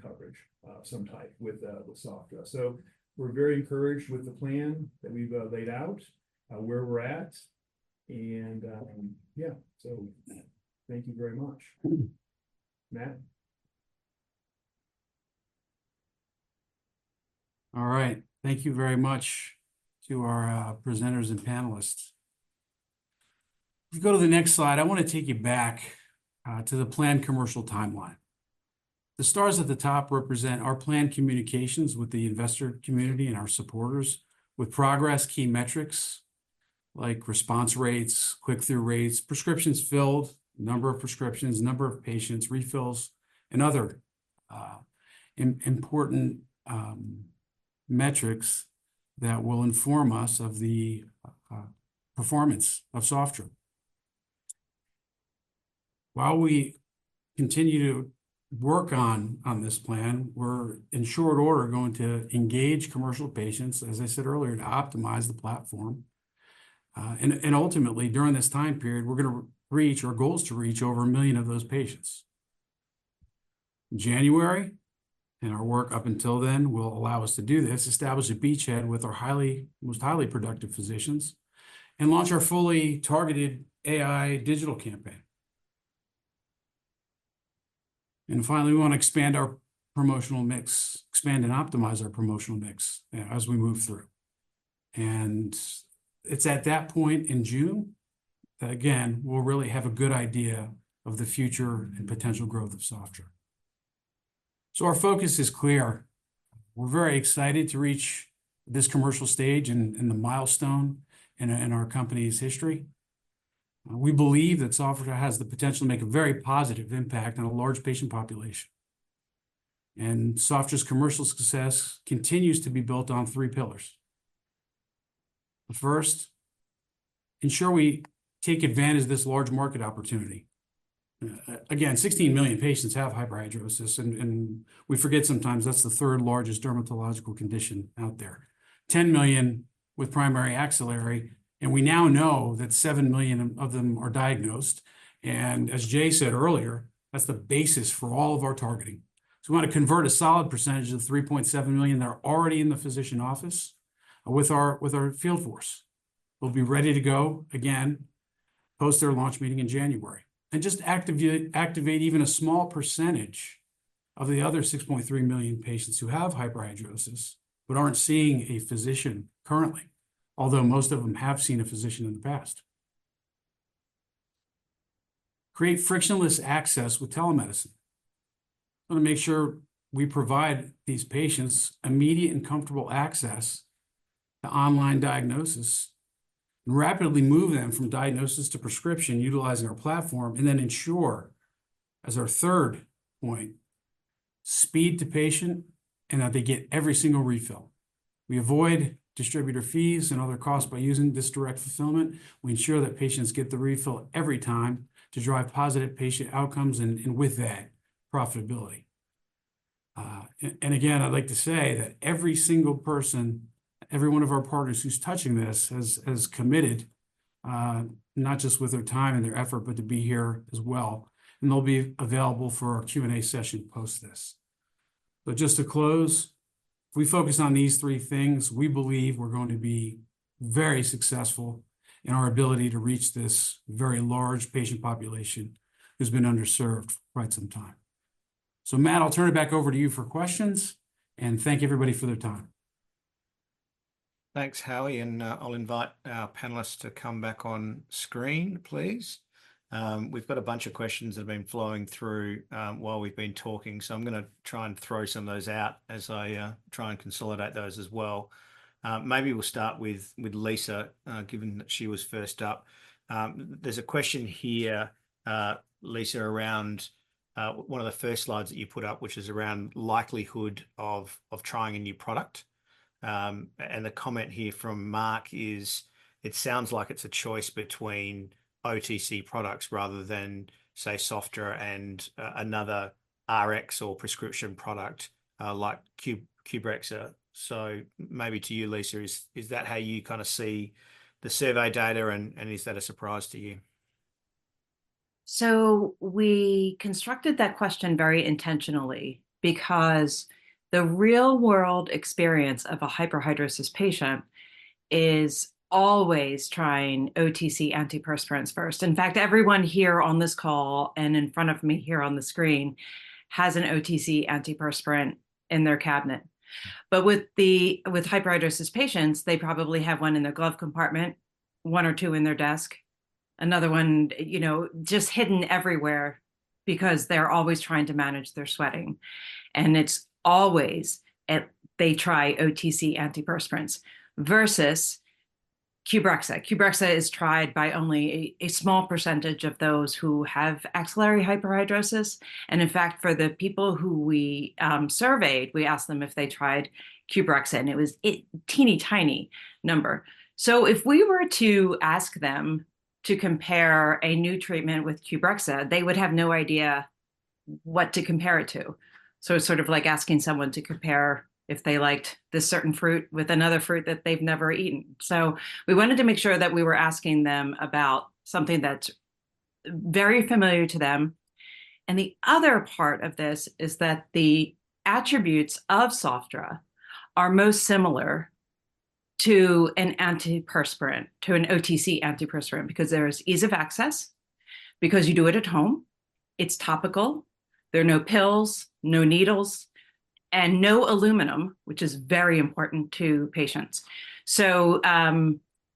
[SPEAKER 7] coverage of some type with Sofdra. So we're very encouraged with the plan that we've laid out, where we're at, and yeah. So thank you very much. Matt?
[SPEAKER 4] All right. Thank you very much to our presenters and panelists. If you go to the next slide, I wanna take you back to the planned commercial timeline. The stars at the top represent our planned communications with the investor community and our supporters. With progress, key metrics like response rates, click-through rates, prescriptions filled, number of prescriptions, number of patients, refills, and other important metrics that will inform us of the performance of Sofdra. While we continue to work on this plan, we're in short order going to engage commercial patients, as I said earlier, to optimize the platform. And ultimately, during this time period, we're gonna reach. Our goal is to reach over a million of those patients. January, and our work up until then, will allow us to do this, establish a beachhead with our most highly productive physicians, and launch our fully targeted AI digital campaign. And finally, we want to expand our promotional mix, expand and optimize our promotional mix, as we move through. And it's at that point in June that again, we'll really have a good idea of the future and potential growth of Sofdra. So our focus is clear. We're very excited to reach this commercial stage and the milestone in our company's history. We believe that Sofdra has the potential to make a very positive impact on a large patient population. And Sofdra's commercial success continues to be built on three pillars. The first, ensure we take advantage of this large market opportunity. Again, 16 million patients have hyperhidrosis, and we forget sometimes that's the third largest dermatological condition out there. 10 million with primary axillary, and we now know that 7 million of them are diagnosed, and as Jay said earlier, that's the basis for all of our targeting, so we want to convert a solid percentage of the 3.7 million that are already in the physician office with our field force, who will be ready to go again post their launch meeting in January, and just activate even a small percentage of the other 6.3 million patients who have hyperhidrosis but aren't seeing a physician currently, although most of them have seen a physician in the past. Create frictionless access with telemedicine. We wanna make sure we provide these patients immediate and comfortable access to online diagnosis, and rapidly move them from diagnosis to prescription utilizing our platform, and then ensure, as our third point, speed to patient and that they get every single refill. We avoid distributor fees and other costs by using this direct fulfillment. We ensure that patients get the refill every time to drive positive patient outcomes and with that, profitability. And again, I'd like to say that every single person, every one of our partners who's touching this, has committed, not just with their time and their effort, but to be here as well, and they'll be available for our Q and A session post this. But just to close, if we focus on these three things, we believe we're going to be very successful in our ability to reach this very large patient population who's been underserved for quite some time. So Matt, I'll turn it back over to you for questions, and thank everybody for their time.
[SPEAKER 1] Thanks, Howie, and I'll invite our panelists to come back on screen, please. We've got a bunch of questions that have been flowing through while we've been talking, so I'm gonna try and throw some of those out as I try and consolidate those as well. Maybe we'll start with Lisa, given that she was first up. There's a question here, Lisa, around one of the first slides that you put up, which is around likelihood of trying a new product. And the comment here from Mark is, it sounds like it's a choice between OTC products rather than, say, Sofdra and another RX or prescription product, like Qbrexza. So maybe to you, Lisa, is that how you kind of see the survey data, and is that a surprise to you?
[SPEAKER 3] So we constructed that question very intentionally, because the real-world experience of a hyperhidrosis patient is always trying OTC antiperspirants first. In fact, everyone here on this call and in front of me here on the screen has an OTC antiperspirant in their cabinet. But with hyperhidrosis patients, they probably have one in their glove compartment, one or two in their desk, another one, you know, just hidden everywhere because they're always trying to manage their sweating. And it's always that they try OTC antiperspirants versus Qbrexza. Qbrexza is tried by only a small percentage of those who have axillary hyperhidrosis, and in fact, for the people who we surveyed, we asked them if they tried Qbrexza, and it was a teeny, tiny number. So if we were to ask them to compare a new treatment with Qbrexza, they would have no idea what to compare it to. So it's sort of like asking someone to compare if they liked this certain fruit with another fruit that they've never eaten. So we wanted to make sure that we were asking them about something that's very familiar to them. And the other part of this is that the attributes of Sofdra are most similar to an antiperspirant, to an OTC antiperspirant, because there is ease of access, because you do it at home, it's topical, there are no pills, no needles, and no aluminum, which is very important to patients. So,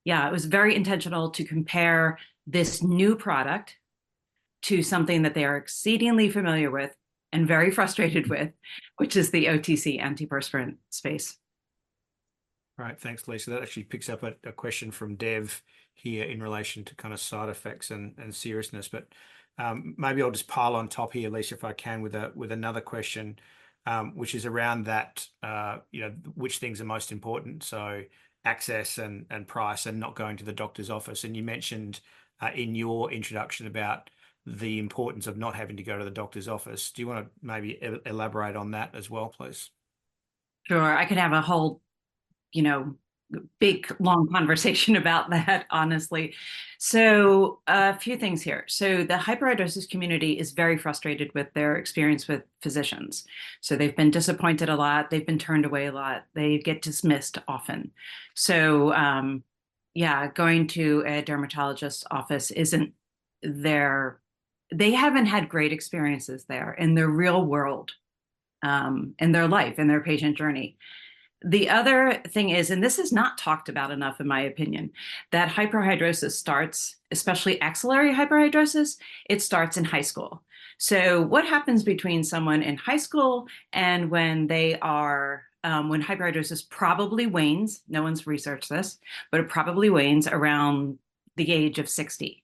[SPEAKER 3] yeah, it was very intentional to compare this new product to something that they are exceedingly familiar with, and very frustrated with, which is the OTC antiperspirant space.
[SPEAKER 1] Right. Thanks, Lisa. That actually picks up a question from Dev here in relation to kind of side effects and seriousness. But maybe I'll just pile on top here, Lisa, if I can, with another question, which is around that, you know, which things are most important, so access, and price, and not going to the doctor's office. And you mentioned in your introduction about the importance of not having to go to the doctor's office. Do you wanna maybe elaborate on that as well, please?
[SPEAKER 3] Sure. I could have a whole, you know, big, long conversation about that, honestly. So, a few things here. So the hyperhidrosis community is very frustrated with their experience with physicians. So they've been disappointed a lot, they've been turned away a lot, they get dismissed often. So, yeah, going to a dermatologist's office isn't their, they haven't had great experiences there in the real world, in their life, in their patient journey. The other thing is, and this is not talked about enough in my opinion, that hyperhidrosis starts, especially axillary hyperhidrosis, it starts in high school. So what happens between someone in high school and when they are, when hyperhidrosis probably wanes, no one's researched this, but it probably wanes around the age of 60,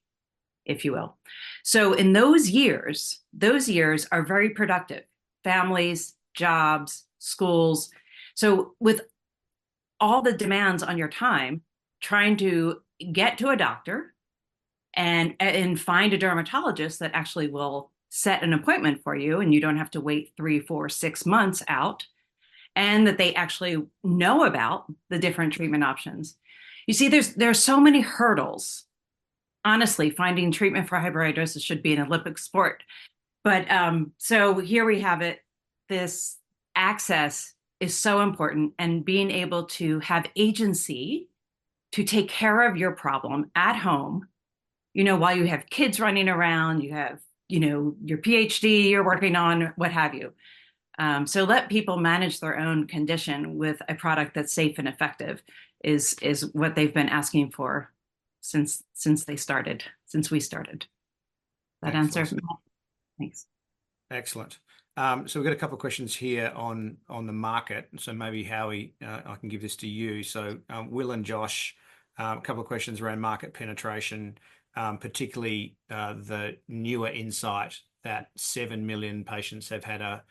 [SPEAKER 3] if you will. So in those years, those years are very productive, families, jobs, schools. With all the demands on your time, trying to get to a doctor and find a dermatologist that actually will set an appointment for you, and you don't have to wait three, four, six months out, and that they actually know about the different treatment options. You see, there are so many hurdles. Honestly, finding treatment for hyperhidrosis should be an Olympic sport. But so here we have it. This access is so important, and being able to have agency to take care of your problem at home, you know, while you have kids running around, you have, you know, your PhD you're working on, what have you. So let people manage their own condition with a product that's safe and effective is what they've been asking for since they started, since we started.
[SPEAKER 1] Excellent.
[SPEAKER 3] That answer? Thanks.
[SPEAKER 1] Excellent. So we've got a couple questions here on the market, so maybe Howie, I can give this to you. So, Will and Josh, a couple of questions around market penetration, particularly, the newer insight that 7 million patients have had a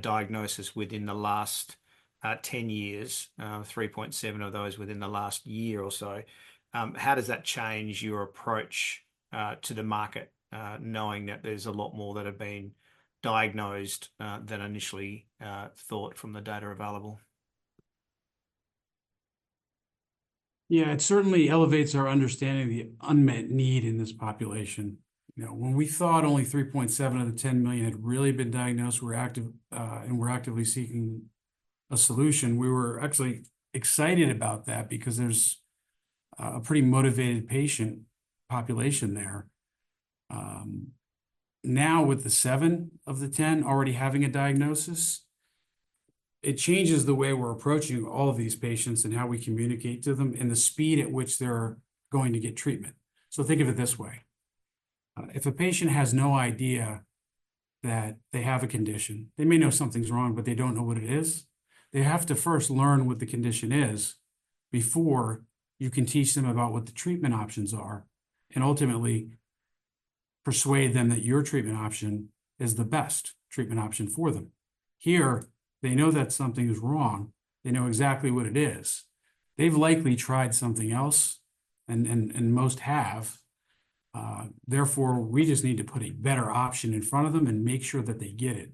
[SPEAKER 1] diagnosis within the last 10 years, 3.7 of those within the last year or so. How does that change your approach to the market, knowing that there's a lot more that have been diagnosed than initially thought from the data available?
[SPEAKER 4] Yeah, it certainly elevates our understanding of the unmet need in this population. You know, when we thought only 3.7 of the 10 million had really been diagnosed, we're active and were actively seeking a solution, we were actually excited about that because there's a pretty motivated patient population there. Now, with the 7 of the 10 already having a diagnosis, it changes the way we're approaching all of these patients and how we communicate to them, and the speed at which they're going to get treatment. So think of it this way, if a patient has no idea that they have a condition, they may know something's wrong, but they don't know what it is, they have to first learn what the condition is before you can teach them about what the treatment options are, and ultimately persuade them that your treatment option is the best treatment option for them. Here, they know that something is wrong. They know exactly what it is. They've likely tried something else, and most have, therefore, we just need to put a better option in front of them and make sure that they get it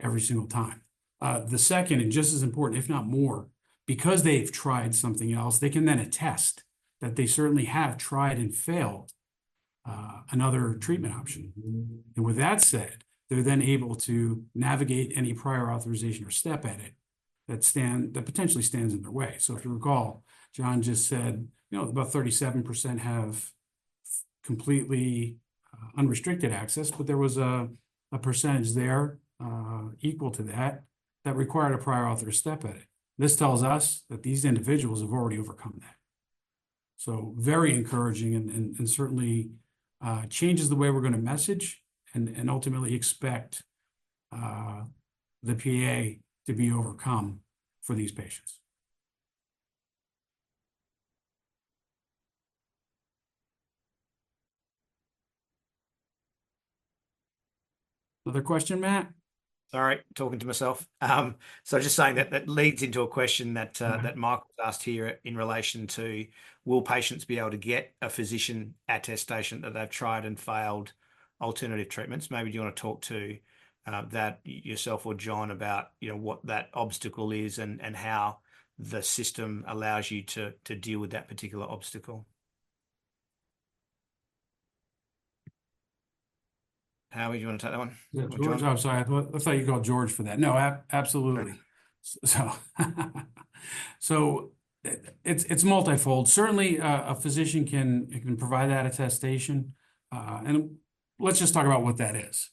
[SPEAKER 4] every single time. The second, and just as important, if not more, because they've tried something else, they can then attest that they certainly have tried and failed another treatment option. With that said, they're then able to navigate any prior authorization or step edit that potentially stands in their way. So if you recall, John just said, you know, about 37% have completely unrestricted access, but there was a percentage there equal to that that required a prior auth or step edit. This tells us that these individuals have already overcome that. So very encouraging and certainly changes the way we're gonna message and ultimately expect the PA to be overcome for these patients. Another question, Matt?
[SPEAKER 1] Sorry, talking to myself. So just saying that that leads into a question that, that Michael's asked here in relation to: will patients be able to get a physician attestation that they've tried and failed alternative treatments? Maybe do you wanna talk to that yourself or John, about, you know, what that obstacle is and how the system allows you to deal with that particular obstacle? Howie, do you wanna take that one? Or John—
[SPEAKER 4] Yeah. I'm sorry, I thought you called George for that. No, absolutely. So it's multifold. Certainly, a physician can provide that attestation, and let's just talk about what that is.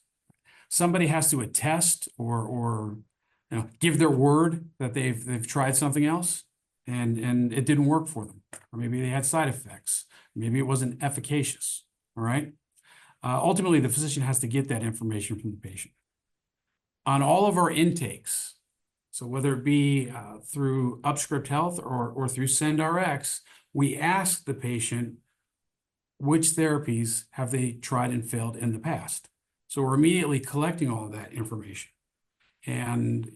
[SPEAKER 4] Somebody has to attest or, you know, give their word that they've tried something else, and it didn't work for them, or maybe they had side effects, maybe it wasn't efficacious, all right? Ultimately, the physician has to get that information from the patient. On all of our intakes, so whether it be through UpScript Health or through SendRx, we ask the patient which therapies have they tried and failed in the past. So we're immediately collecting all of that information, and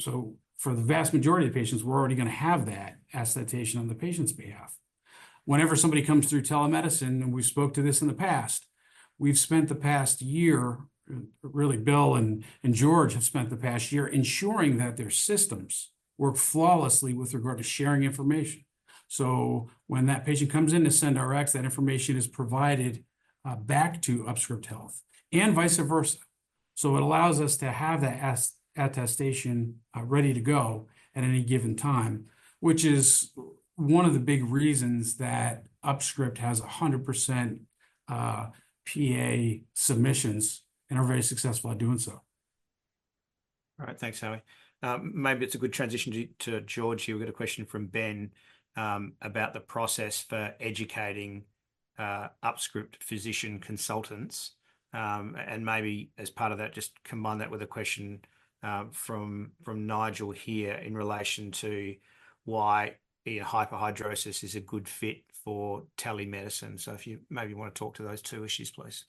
[SPEAKER 4] so for the vast majority of patients, we're already gonna have that attestation on the patient's behalf. Whenever somebody comes through telemedicine, and we spoke to this in the past, we've spent the past year. Really Bill and George have spent the past year ensuring that their systems work flawlessly with regard to sharing information. So when that patient comes in to SendRx, that information is provided back to UpScript Health, and vice versa. So it allows us to have that attestation ready to go at any given time, which is one of the big reasons that UpScript has 100% PA submissions and are very successful at doing so.
[SPEAKER 1] All right. Thanks, Howie. Maybe it's a good transition to George here. We've got a question from Ben about the process for educating UpScript physician consultants. And maybe as part of that, just combine that with a question from Nigel here in relation to why hyperhidrosis is a good fit for telemedicine. So if you maybe want to talk to those two issues, please.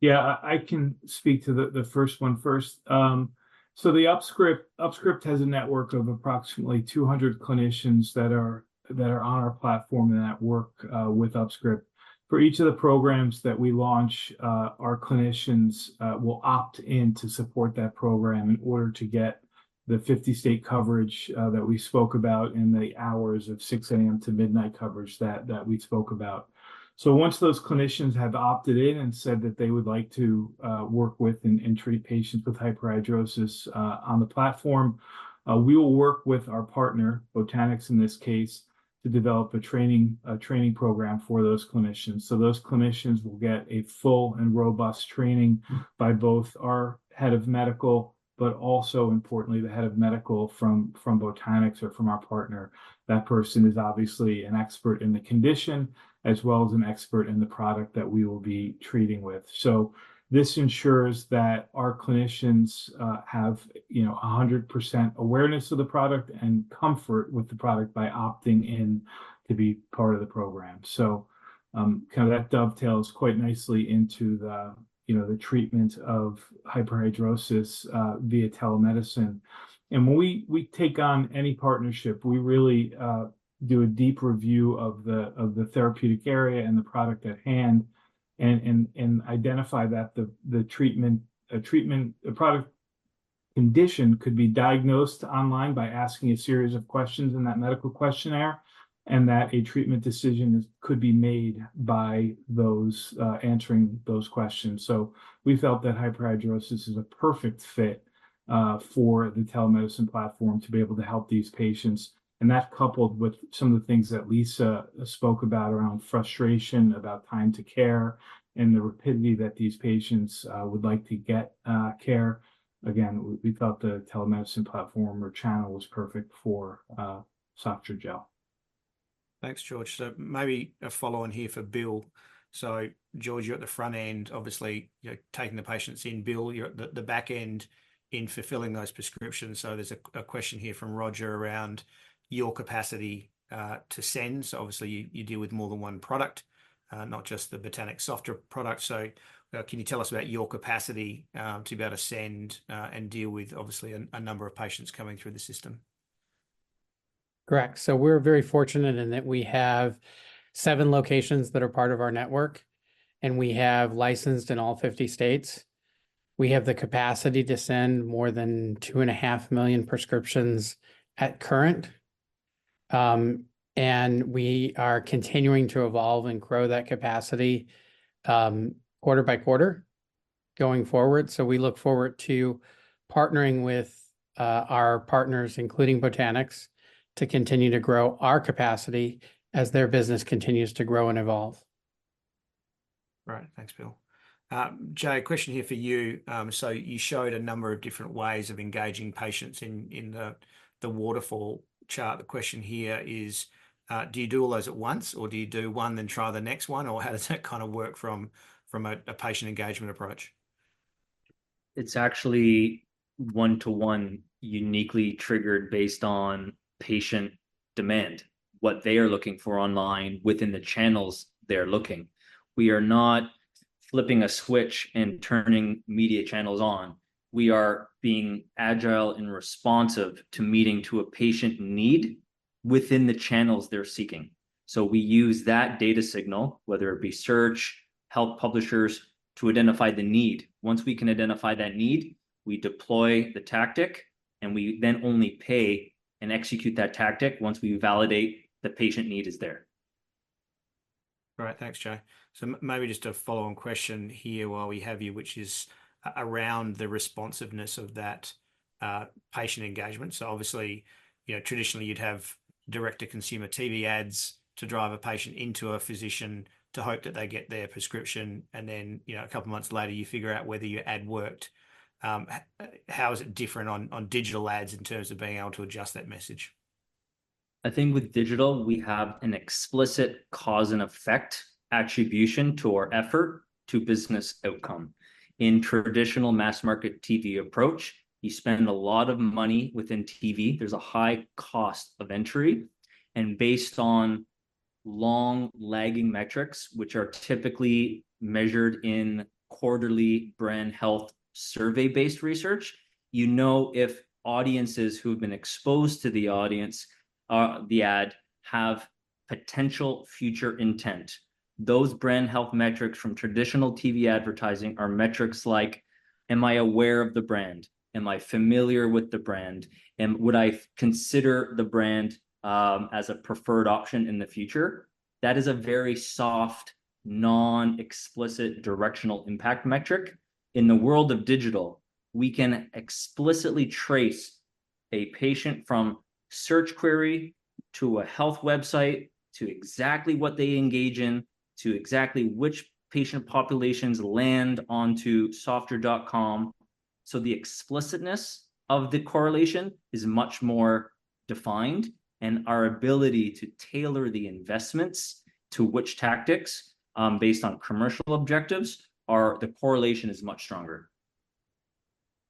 [SPEAKER 6] Yeah, I can speak to the first one first. So the UpScript, UpScript has a network of approximately 200 clinicians that are on our platform and that work with UpScript. For each of the programs that we launch, our clinicians will opt in to support that program in order to get the 50-state coverage that we spoke about, and the hours of 6:00 A.M. to midnight coverage that we spoke about. So once those clinicians have opted in and said that they would like to work with and treat patients with hyperhidrosis on the platform, we will work with our partner, Botanix, in this case, to develop a training program for those clinicians. So those clinicians will get a full and robust training by both our head of medical, but also importantly, the head of medical from Botanix, or from our partner. That person is obviously an expert in the condition, as well as an expert in the product that we will be treating with. So this ensures that our clinicians have, you know, 100% awareness of the product and comfort with the product by opting in to be part of the program. So kind of that dovetails quite nicely into the, you know, the treatment of hyperhidrosis via telemedicine. When we take on any partnership, we really do a deep review of the therapeutic area and the product at hand, and identify that the treatment, a product condition could be diagnosed online by asking a series of questions in that medical questionnaire, and that a treatment decision could be made by those answering those questions. We felt that hyperhidrosis is a perfect fit for the telemedicine platform to be able to help these patients. That, coupled with some of the things that Lisa spoke about around frustration, about time to care, and the rapidity that these patients would like to get care, again, we felt the telemedicine platform or channel was perfect for Sofdra.
[SPEAKER 1] Thanks, George. So maybe a follow-on here for Bill. So George, you're at the front end, obviously, you're taking the patients in. Bill, you're at the back end in fulfilling those prescriptions. So there's a question here from Roger around your capacity to send. So obviously, you deal with more than one product, not just the Botanix Sofdra product. So, can you tell us about your capacity to be able to send and deal with obviously, a number of patients coming through the system?
[SPEAKER 8] Correct. So we're very fortunate in that we have seven locations that are part of our network, and we have licensed in all 50 states. We have the capacity to send more than 2.5 million prescriptions currently. And we are continuing to evolve and grow that capacity, quarter by quarter going forward. So we look forward to partnering with our partners, including Botanix, to continue to grow our capacity as their business continues to grow and evolve.
[SPEAKER 1] Right. Thanks, Bill. Jay, a question here for you. So you showed a number of different ways of engaging patients in the waterfall chart. The question here is, do you do all those at once, or do you do one, then try the next one, or how does that kind of work from a patient engagement approach?
[SPEAKER 5] It's actually one-to-one, uniquely triggered, based on patient demand, what they are looking for online within the channels they're looking. We are not flipping a switch and turning media channels on. We are being agile and responsive to meeting to a patient need within the channels they're seeking. So we use that data signal, whether it be search, health publishers, to identify the need. Once we can identify that need, we deploy the tactic, and we then only pay and execute that tactic once we validate the patient need is there.
[SPEAKER 1] Right. Thanks, Jay. So maybe just a follow-on question here while we have you, which is around the responsiveness of that patient engagement. So obviously, you know, traditionally you'd have direct-to-consumer TV ads to drive a patient into a physician, to hope that they get their prescription, and then, you know, a couple of months later, you figure out whether your ad worked. How is it different on, on digital ads in terms of being able to adjust that message?
[SPEAKER 5] I think with digital, we have an explicit cause and effect attribution to our effort to business outcome. In traditional mass market TV approach, you spend a lot of money within TV. There's a high cost of entry, and based on long-lagging metrics, which are typically measured in quarterly brand health survey-based research, you know if audiences who've been exposed to the ad, have potential future intent. Those brand health metrics from traditional TV advertising are metrics like, am I aware of the brand? Am I familiar with the brand, and would I consider the brand, as a preferred option in the future? That is a very soft, non-explicit, directional impact metric. In the world of digital, we can explicitly trace a patient from search query to a health website, to exactly what they engage in, to exactly which patient populations land onto Sofdra.com. So the explicitness of the correlation is much more defined, and our ability to tailor the investments to which tactics, based on commercial objectives, are. The correlation is much stronger.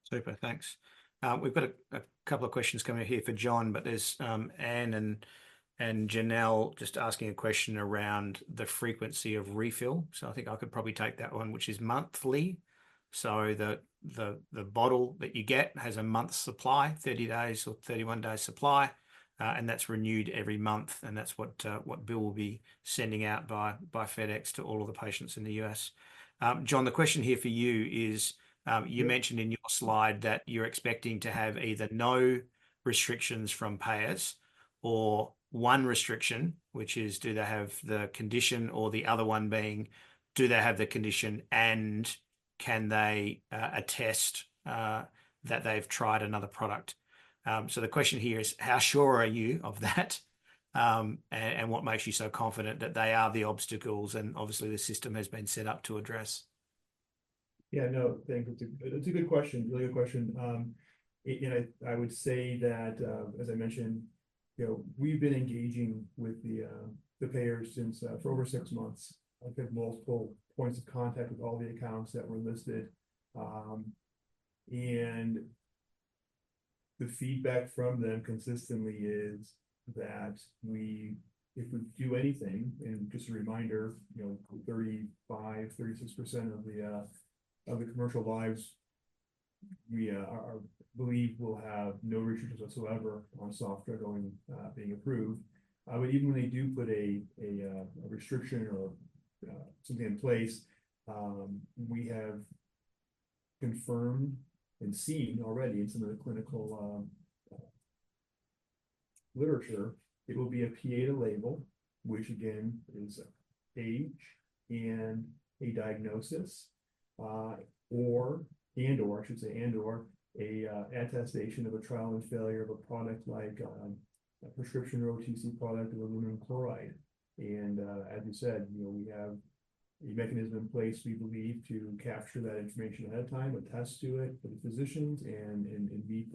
[SPEAKER 1] Super. Thanks. We've got a couple of questions coming in here for John, but there's Anne and Janelle just asking a question around the frequency of refill. So I think I could probably take that one, which is monthly. So the bottle that you get has a month's supply, 30 days or 31-day supply. And that's renewed every month, and that's what Bill will be sending out by FedEx to all of the patients in the U.S. John, the question here for you is, you mentioned in your slide that you're expecting to have either no restrictions from payers, or one restriction, which is do they have the condition? Or the other one being, do they have the condition, and can they attest that they've tried another product? So the question here is, how sure are you of that? And what makes you so confident that they are the obstacles, and obviously the system has been set up to address?
[SPEAKER 7] Yeah, no, thank you. It's a good question, really good question. And I would say that, as I mentioned, you know, we've been engaging with the payers since for over 6-months. I've had multiple points of contact with all the accounts that were listed. And the feedback from them consistently is that if we do anything, and just a reminder, you know, 35%, 36% of the commercial lives we believe will have no restrictions whatsoever on Sofdra going, being approved. But even when they do put a restriction or something in place, we have confirmed and seen already in some of the clinical literature. It will be a PA to label, which again is age and a diagnosis or and/or. I should say, and/or, a attestation of a trial and failure of a product like a prescription or OTC product or aluminum chloride. And as you said, you know, we have a mechanism in place, we believe, to capture that information ahead of time, attest to it for the physicians, and meet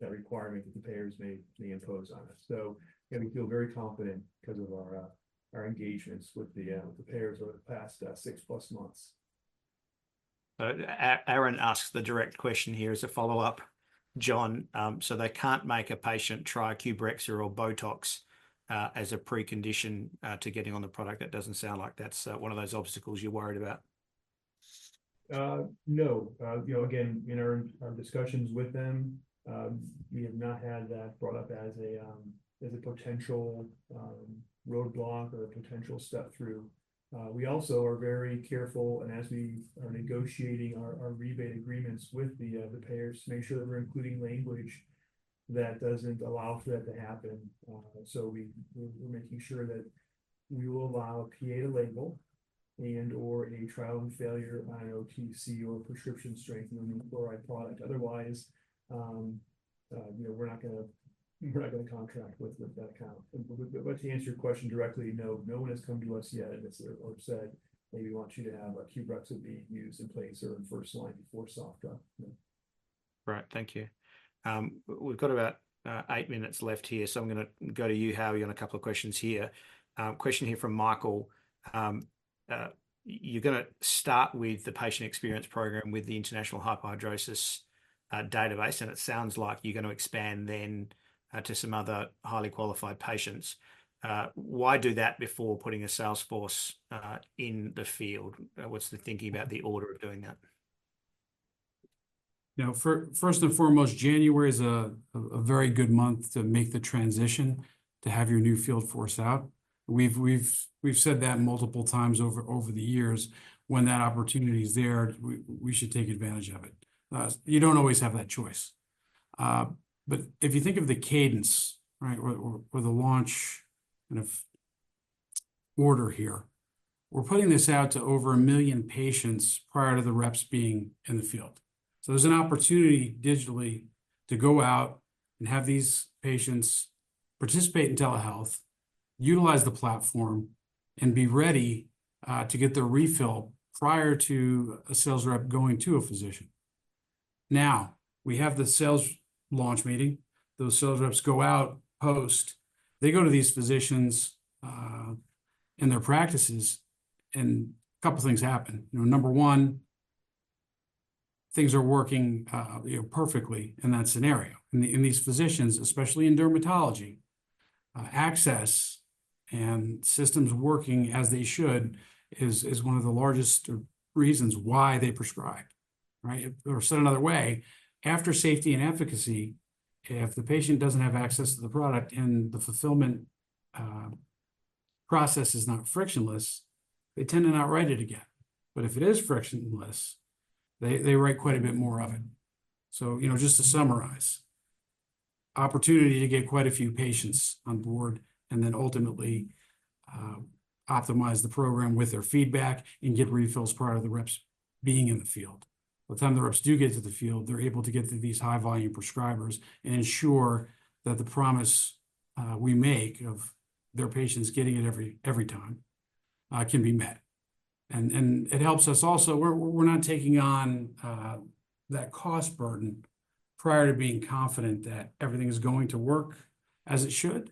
[SPEAKER 7] that requirement that the payers may impose on us. So, yeah, we feel very confident because of our engagements with the payers over the past six-plus months.
[SPEAKER 1] Aaron asks the direct question here as a follow-up, John. So they can't make a patient try Qbrexza or Botox as a precondition to getting on the product. That doesn't sound like that's one of those obstacles you're worried about.
[SPEAKER 7] No. You know, again, in our discussions with them, we have not had that brought up as a potential roadblock or a potential step through. We also are very careful, and as we are negotiating our rebate agreements with the payers, to make sure that we're including language that doesn't allow for that to happen. So we're making sure that we will allow a PA to label and/or a trial and failure on OTC or prescription strength aluminum chloride product. Otherwise, you know, we're not gonna contract with that account. But to answer your question directly, no, no one has come to us yet and said, we want you to have Qbrexza be used in place or in first line before Sofdra. No.
[SPEAKER 1] Right. Thank you. We've got about 8 minutes left here, so I'm gonna go to you, Howie, on a couple of questions here. Question here from Michael: You're gonna start with the patient experience program with the International Hyperhidrosis Society, and it sounds like you're gonna expand then to some other highly qualified patients. Why do that before putting a sales force in the field? What's the thinking about the order of doing that?
[SPEAKER 4] You know, first and foremost, January is a very good month to make the transition to have your new field force out. We've said that multiple times over the years. When that opportunity is there, we should take advantage of it. You don't always have that choice. But if you think of the cadence, right, or the launch kind of order here, we're putting this out to over a million patients prior to the reps being in the field. So there's an opportunity digitally to go out and have these patients participate in telehealth, utilize the platform, and be ready to get their refill prior to a sales rep going to a physician. Now, we have the sales launch meeting. Those sales reps go out post. They go to these physicians in their practices, and a couple things happen. You know, number one, things are working, you know, perfectly in that scenario. In these physicians, especially in dermatology, access and systems working as they should is one of the largest reasons why they prescribe, right? Or said another way, after safety and efficacy, if the patient doesn't have access to the product and the fulfillment process is not frictionless, they tend to not write it again. But if it is frictionless, they write quite a bit more of it. So, you know, just to summarize, opportunity to get quite a few patients on board, and then ultimately, optimize the program with their feedback and get refills prior to the reps being in the field. By the time the reps do get to the field, they're able to get to these high-volume prescribers and ensure that the promise we make of their patients getting it every time can be met. And it helps us also. We're not taking on that cost burden prior to being confident that everything is going to work as it should,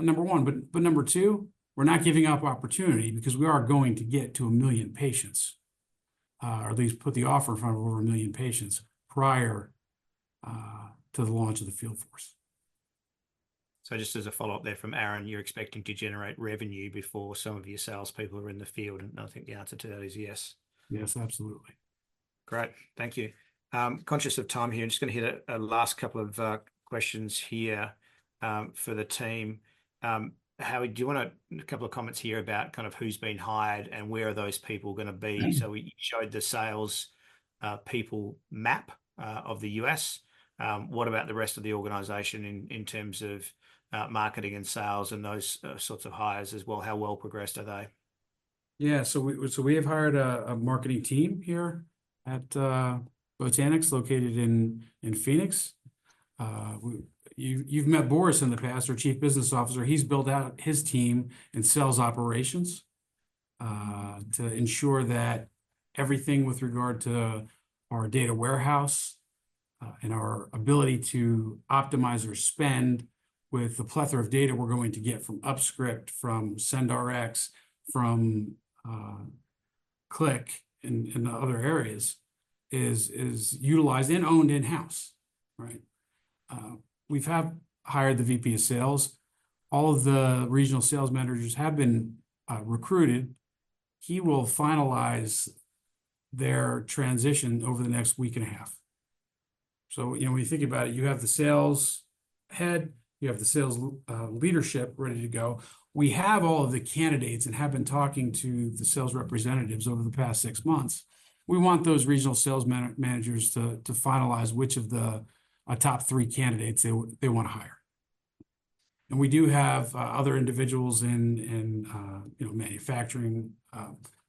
[SPEAKER 4] number 1. But number 2, we're not giving up opportunity, because we are going to get to a million patients or at least put the offer in front of over a million patients prior to the launch of the field force.
[SPEAKER 1] So just as a follow-up there from Aaron, you're expecting to generate revenue before some of your salespeople are in the field, and I think the answer to that is yes.
[SPEAKER 4] Yes, absolutely.
[SPEAKER 1] Great. Thank you. Conscious of time here, I'm just gonna hit a last couple of questions here for the team. Howie, do you wanna? A couple of comments here about kind of who's been hired and where are those people gonna be?
[SPEAKER 4] Mm-hmm.
[SPEAKER 1] So we showed the sales people map of the U.S. What about the rest of the organization in terms of marketing and sales and those sorts of hires as well? How well progressed are they?
[SPEAKER 4] Yeah, so we have hired a marketing team here at Botanix, located in Phoenix. You've met Boris in the past, our Chief Business Officer. He's built out his team and sales operations to ensure that everything with regard to our data warehouse and our ability to optimize our spend with the plethora of data we're going to get from UpScript, from SendRx, from Klick and the other areas is utilized and owned in-house, right? We've hired the VP of Sales. All of the regional sales managers have been recruited. He will finalize their transition over the next week and a half. So, you know, when you think about it, you have the sales head, you have the sales leadership ready to go. We have all of the candidates, and have been talking to the sales representatives over the past 6-months. We want those regional sales managers to finalize which of the top three candidates they wanna hire. And we do have other individuals in you know, manufacturing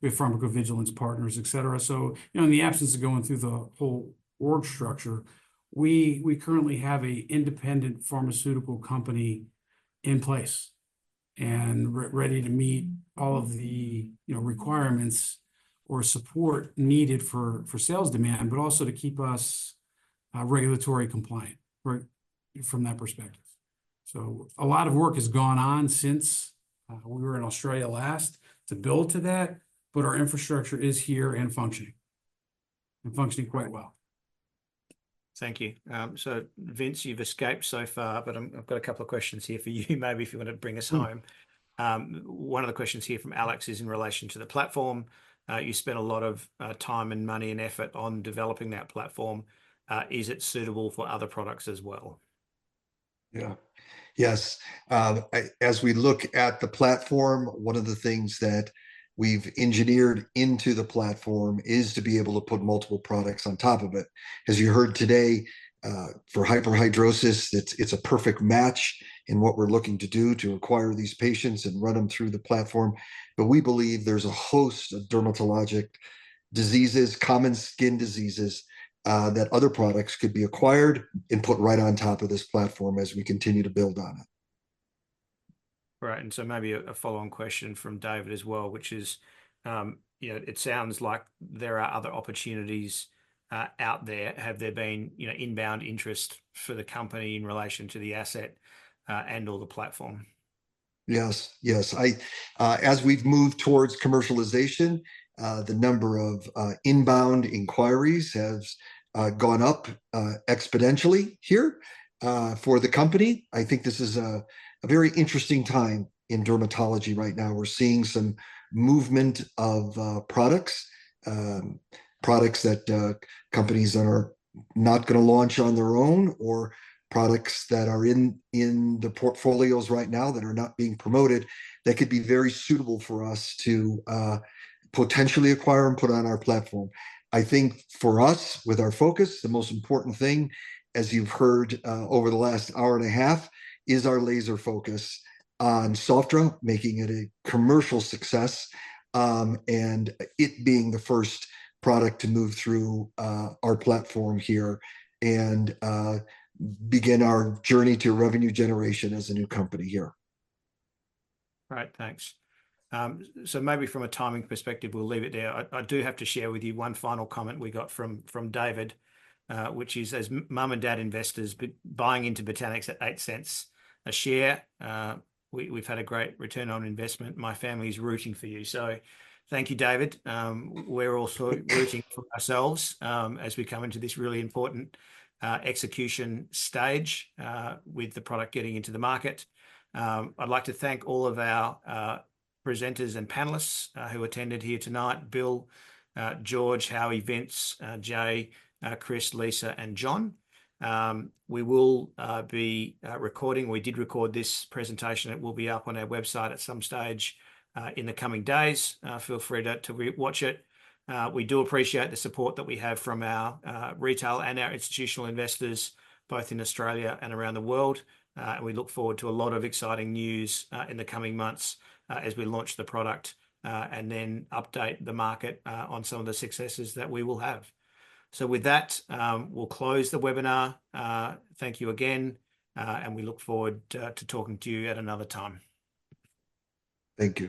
[SPEAKER 4] with pharmacovigilance partners, et cetera. So, you know, in the absence of going through the whole org structure, we currently have a independent pharmaceutical company in place, and ready to meet all of the, you know, requirements or support needed for sales demand, but also to keep us regulatory compliant, right, from that perspective. So a lot of work has gone on since we were in Australia last to build to that, but our infrastructure is here and functioning, and functioning quite well.
[SPEAKER 1] Thank you. So Vince, you've escaped so far, but I've got a couple of questions here for you maybe if you wanna bring us home. One of the questions here from Alex is in relation to the platform. You spent a lot of time and money and effort on developing that platform. Is it suitable for other products as well?
[SPEAKER 2] Yeah. Yes. As we look at the platform, one of the things that we've engineered into the platform is to be able to put multiple products on top of it. As you heard today, for hyperhidrosis, it's a perfect match in what we're looking to do to acquire these patients and run them through the platform. But we believe there's a host of dermatologic diseases, common skin diseases, that other products could be acquired and put right on top of this platform as we continue to build on it.
[SPEAKER 1] Right, and so maybe a follow-on question from David as well, which is, you know, "It sounds like there are other opportunities out there. Have there been, you know, inbound interest for the company in relation to the asset and/or the platform?
[SPEAKER 2] Yes, yes. I, as we've moved towards commercialization, the number of inbound inquiries has gone up exponentially here for the company. I think this is a very interesting time in dermatology right now. We're seeing some movement of products, products that companies are not gonna launch on their own, or products that are in the portfolios right now that are not being promoted, that could be very suitable for us to potentially acquire and put on our platform. I think for us, with our focus, the most important thing, as you've heard, over the last hour and a half, is our laser focus on Sofdra, making it a commercial success, and it being the first product to move through our platform here and begin our journey to revenue generation as a new company here.
[SPEAKER 1] All right, thanks. So maybe from a timing perspective, we'll leave it there. I do have to share with you one final comment we got from David, which is, as mom and dad investors buying into Botanix at eight cents a share, we've had a great return on investment. My family's rooting for you. So thank you, David. We're also rooting for ourselves, as we come into this really important execution stage, with the product getting into the market. I'd like to thank all of our presenters and panelists who attended here tonight, Bill, George, Howie, Vince, Jay, Chris, Lisa, and John. We will be recording. We did record this presentation. It will be up on our website at some stage in the coming days. Feel free to re-watch it. We do appreciate the support that we have from our retail and our institutional investors, both in Australia and around the world, and we look forward to a lot of exciting news in the coming months as we launch the product and then update the market on some of the successes that we will have. So with that, we'll close the webinar. Thank you again, and we look forward to talking to you at another time.
[SPEAKER 2] Thank you.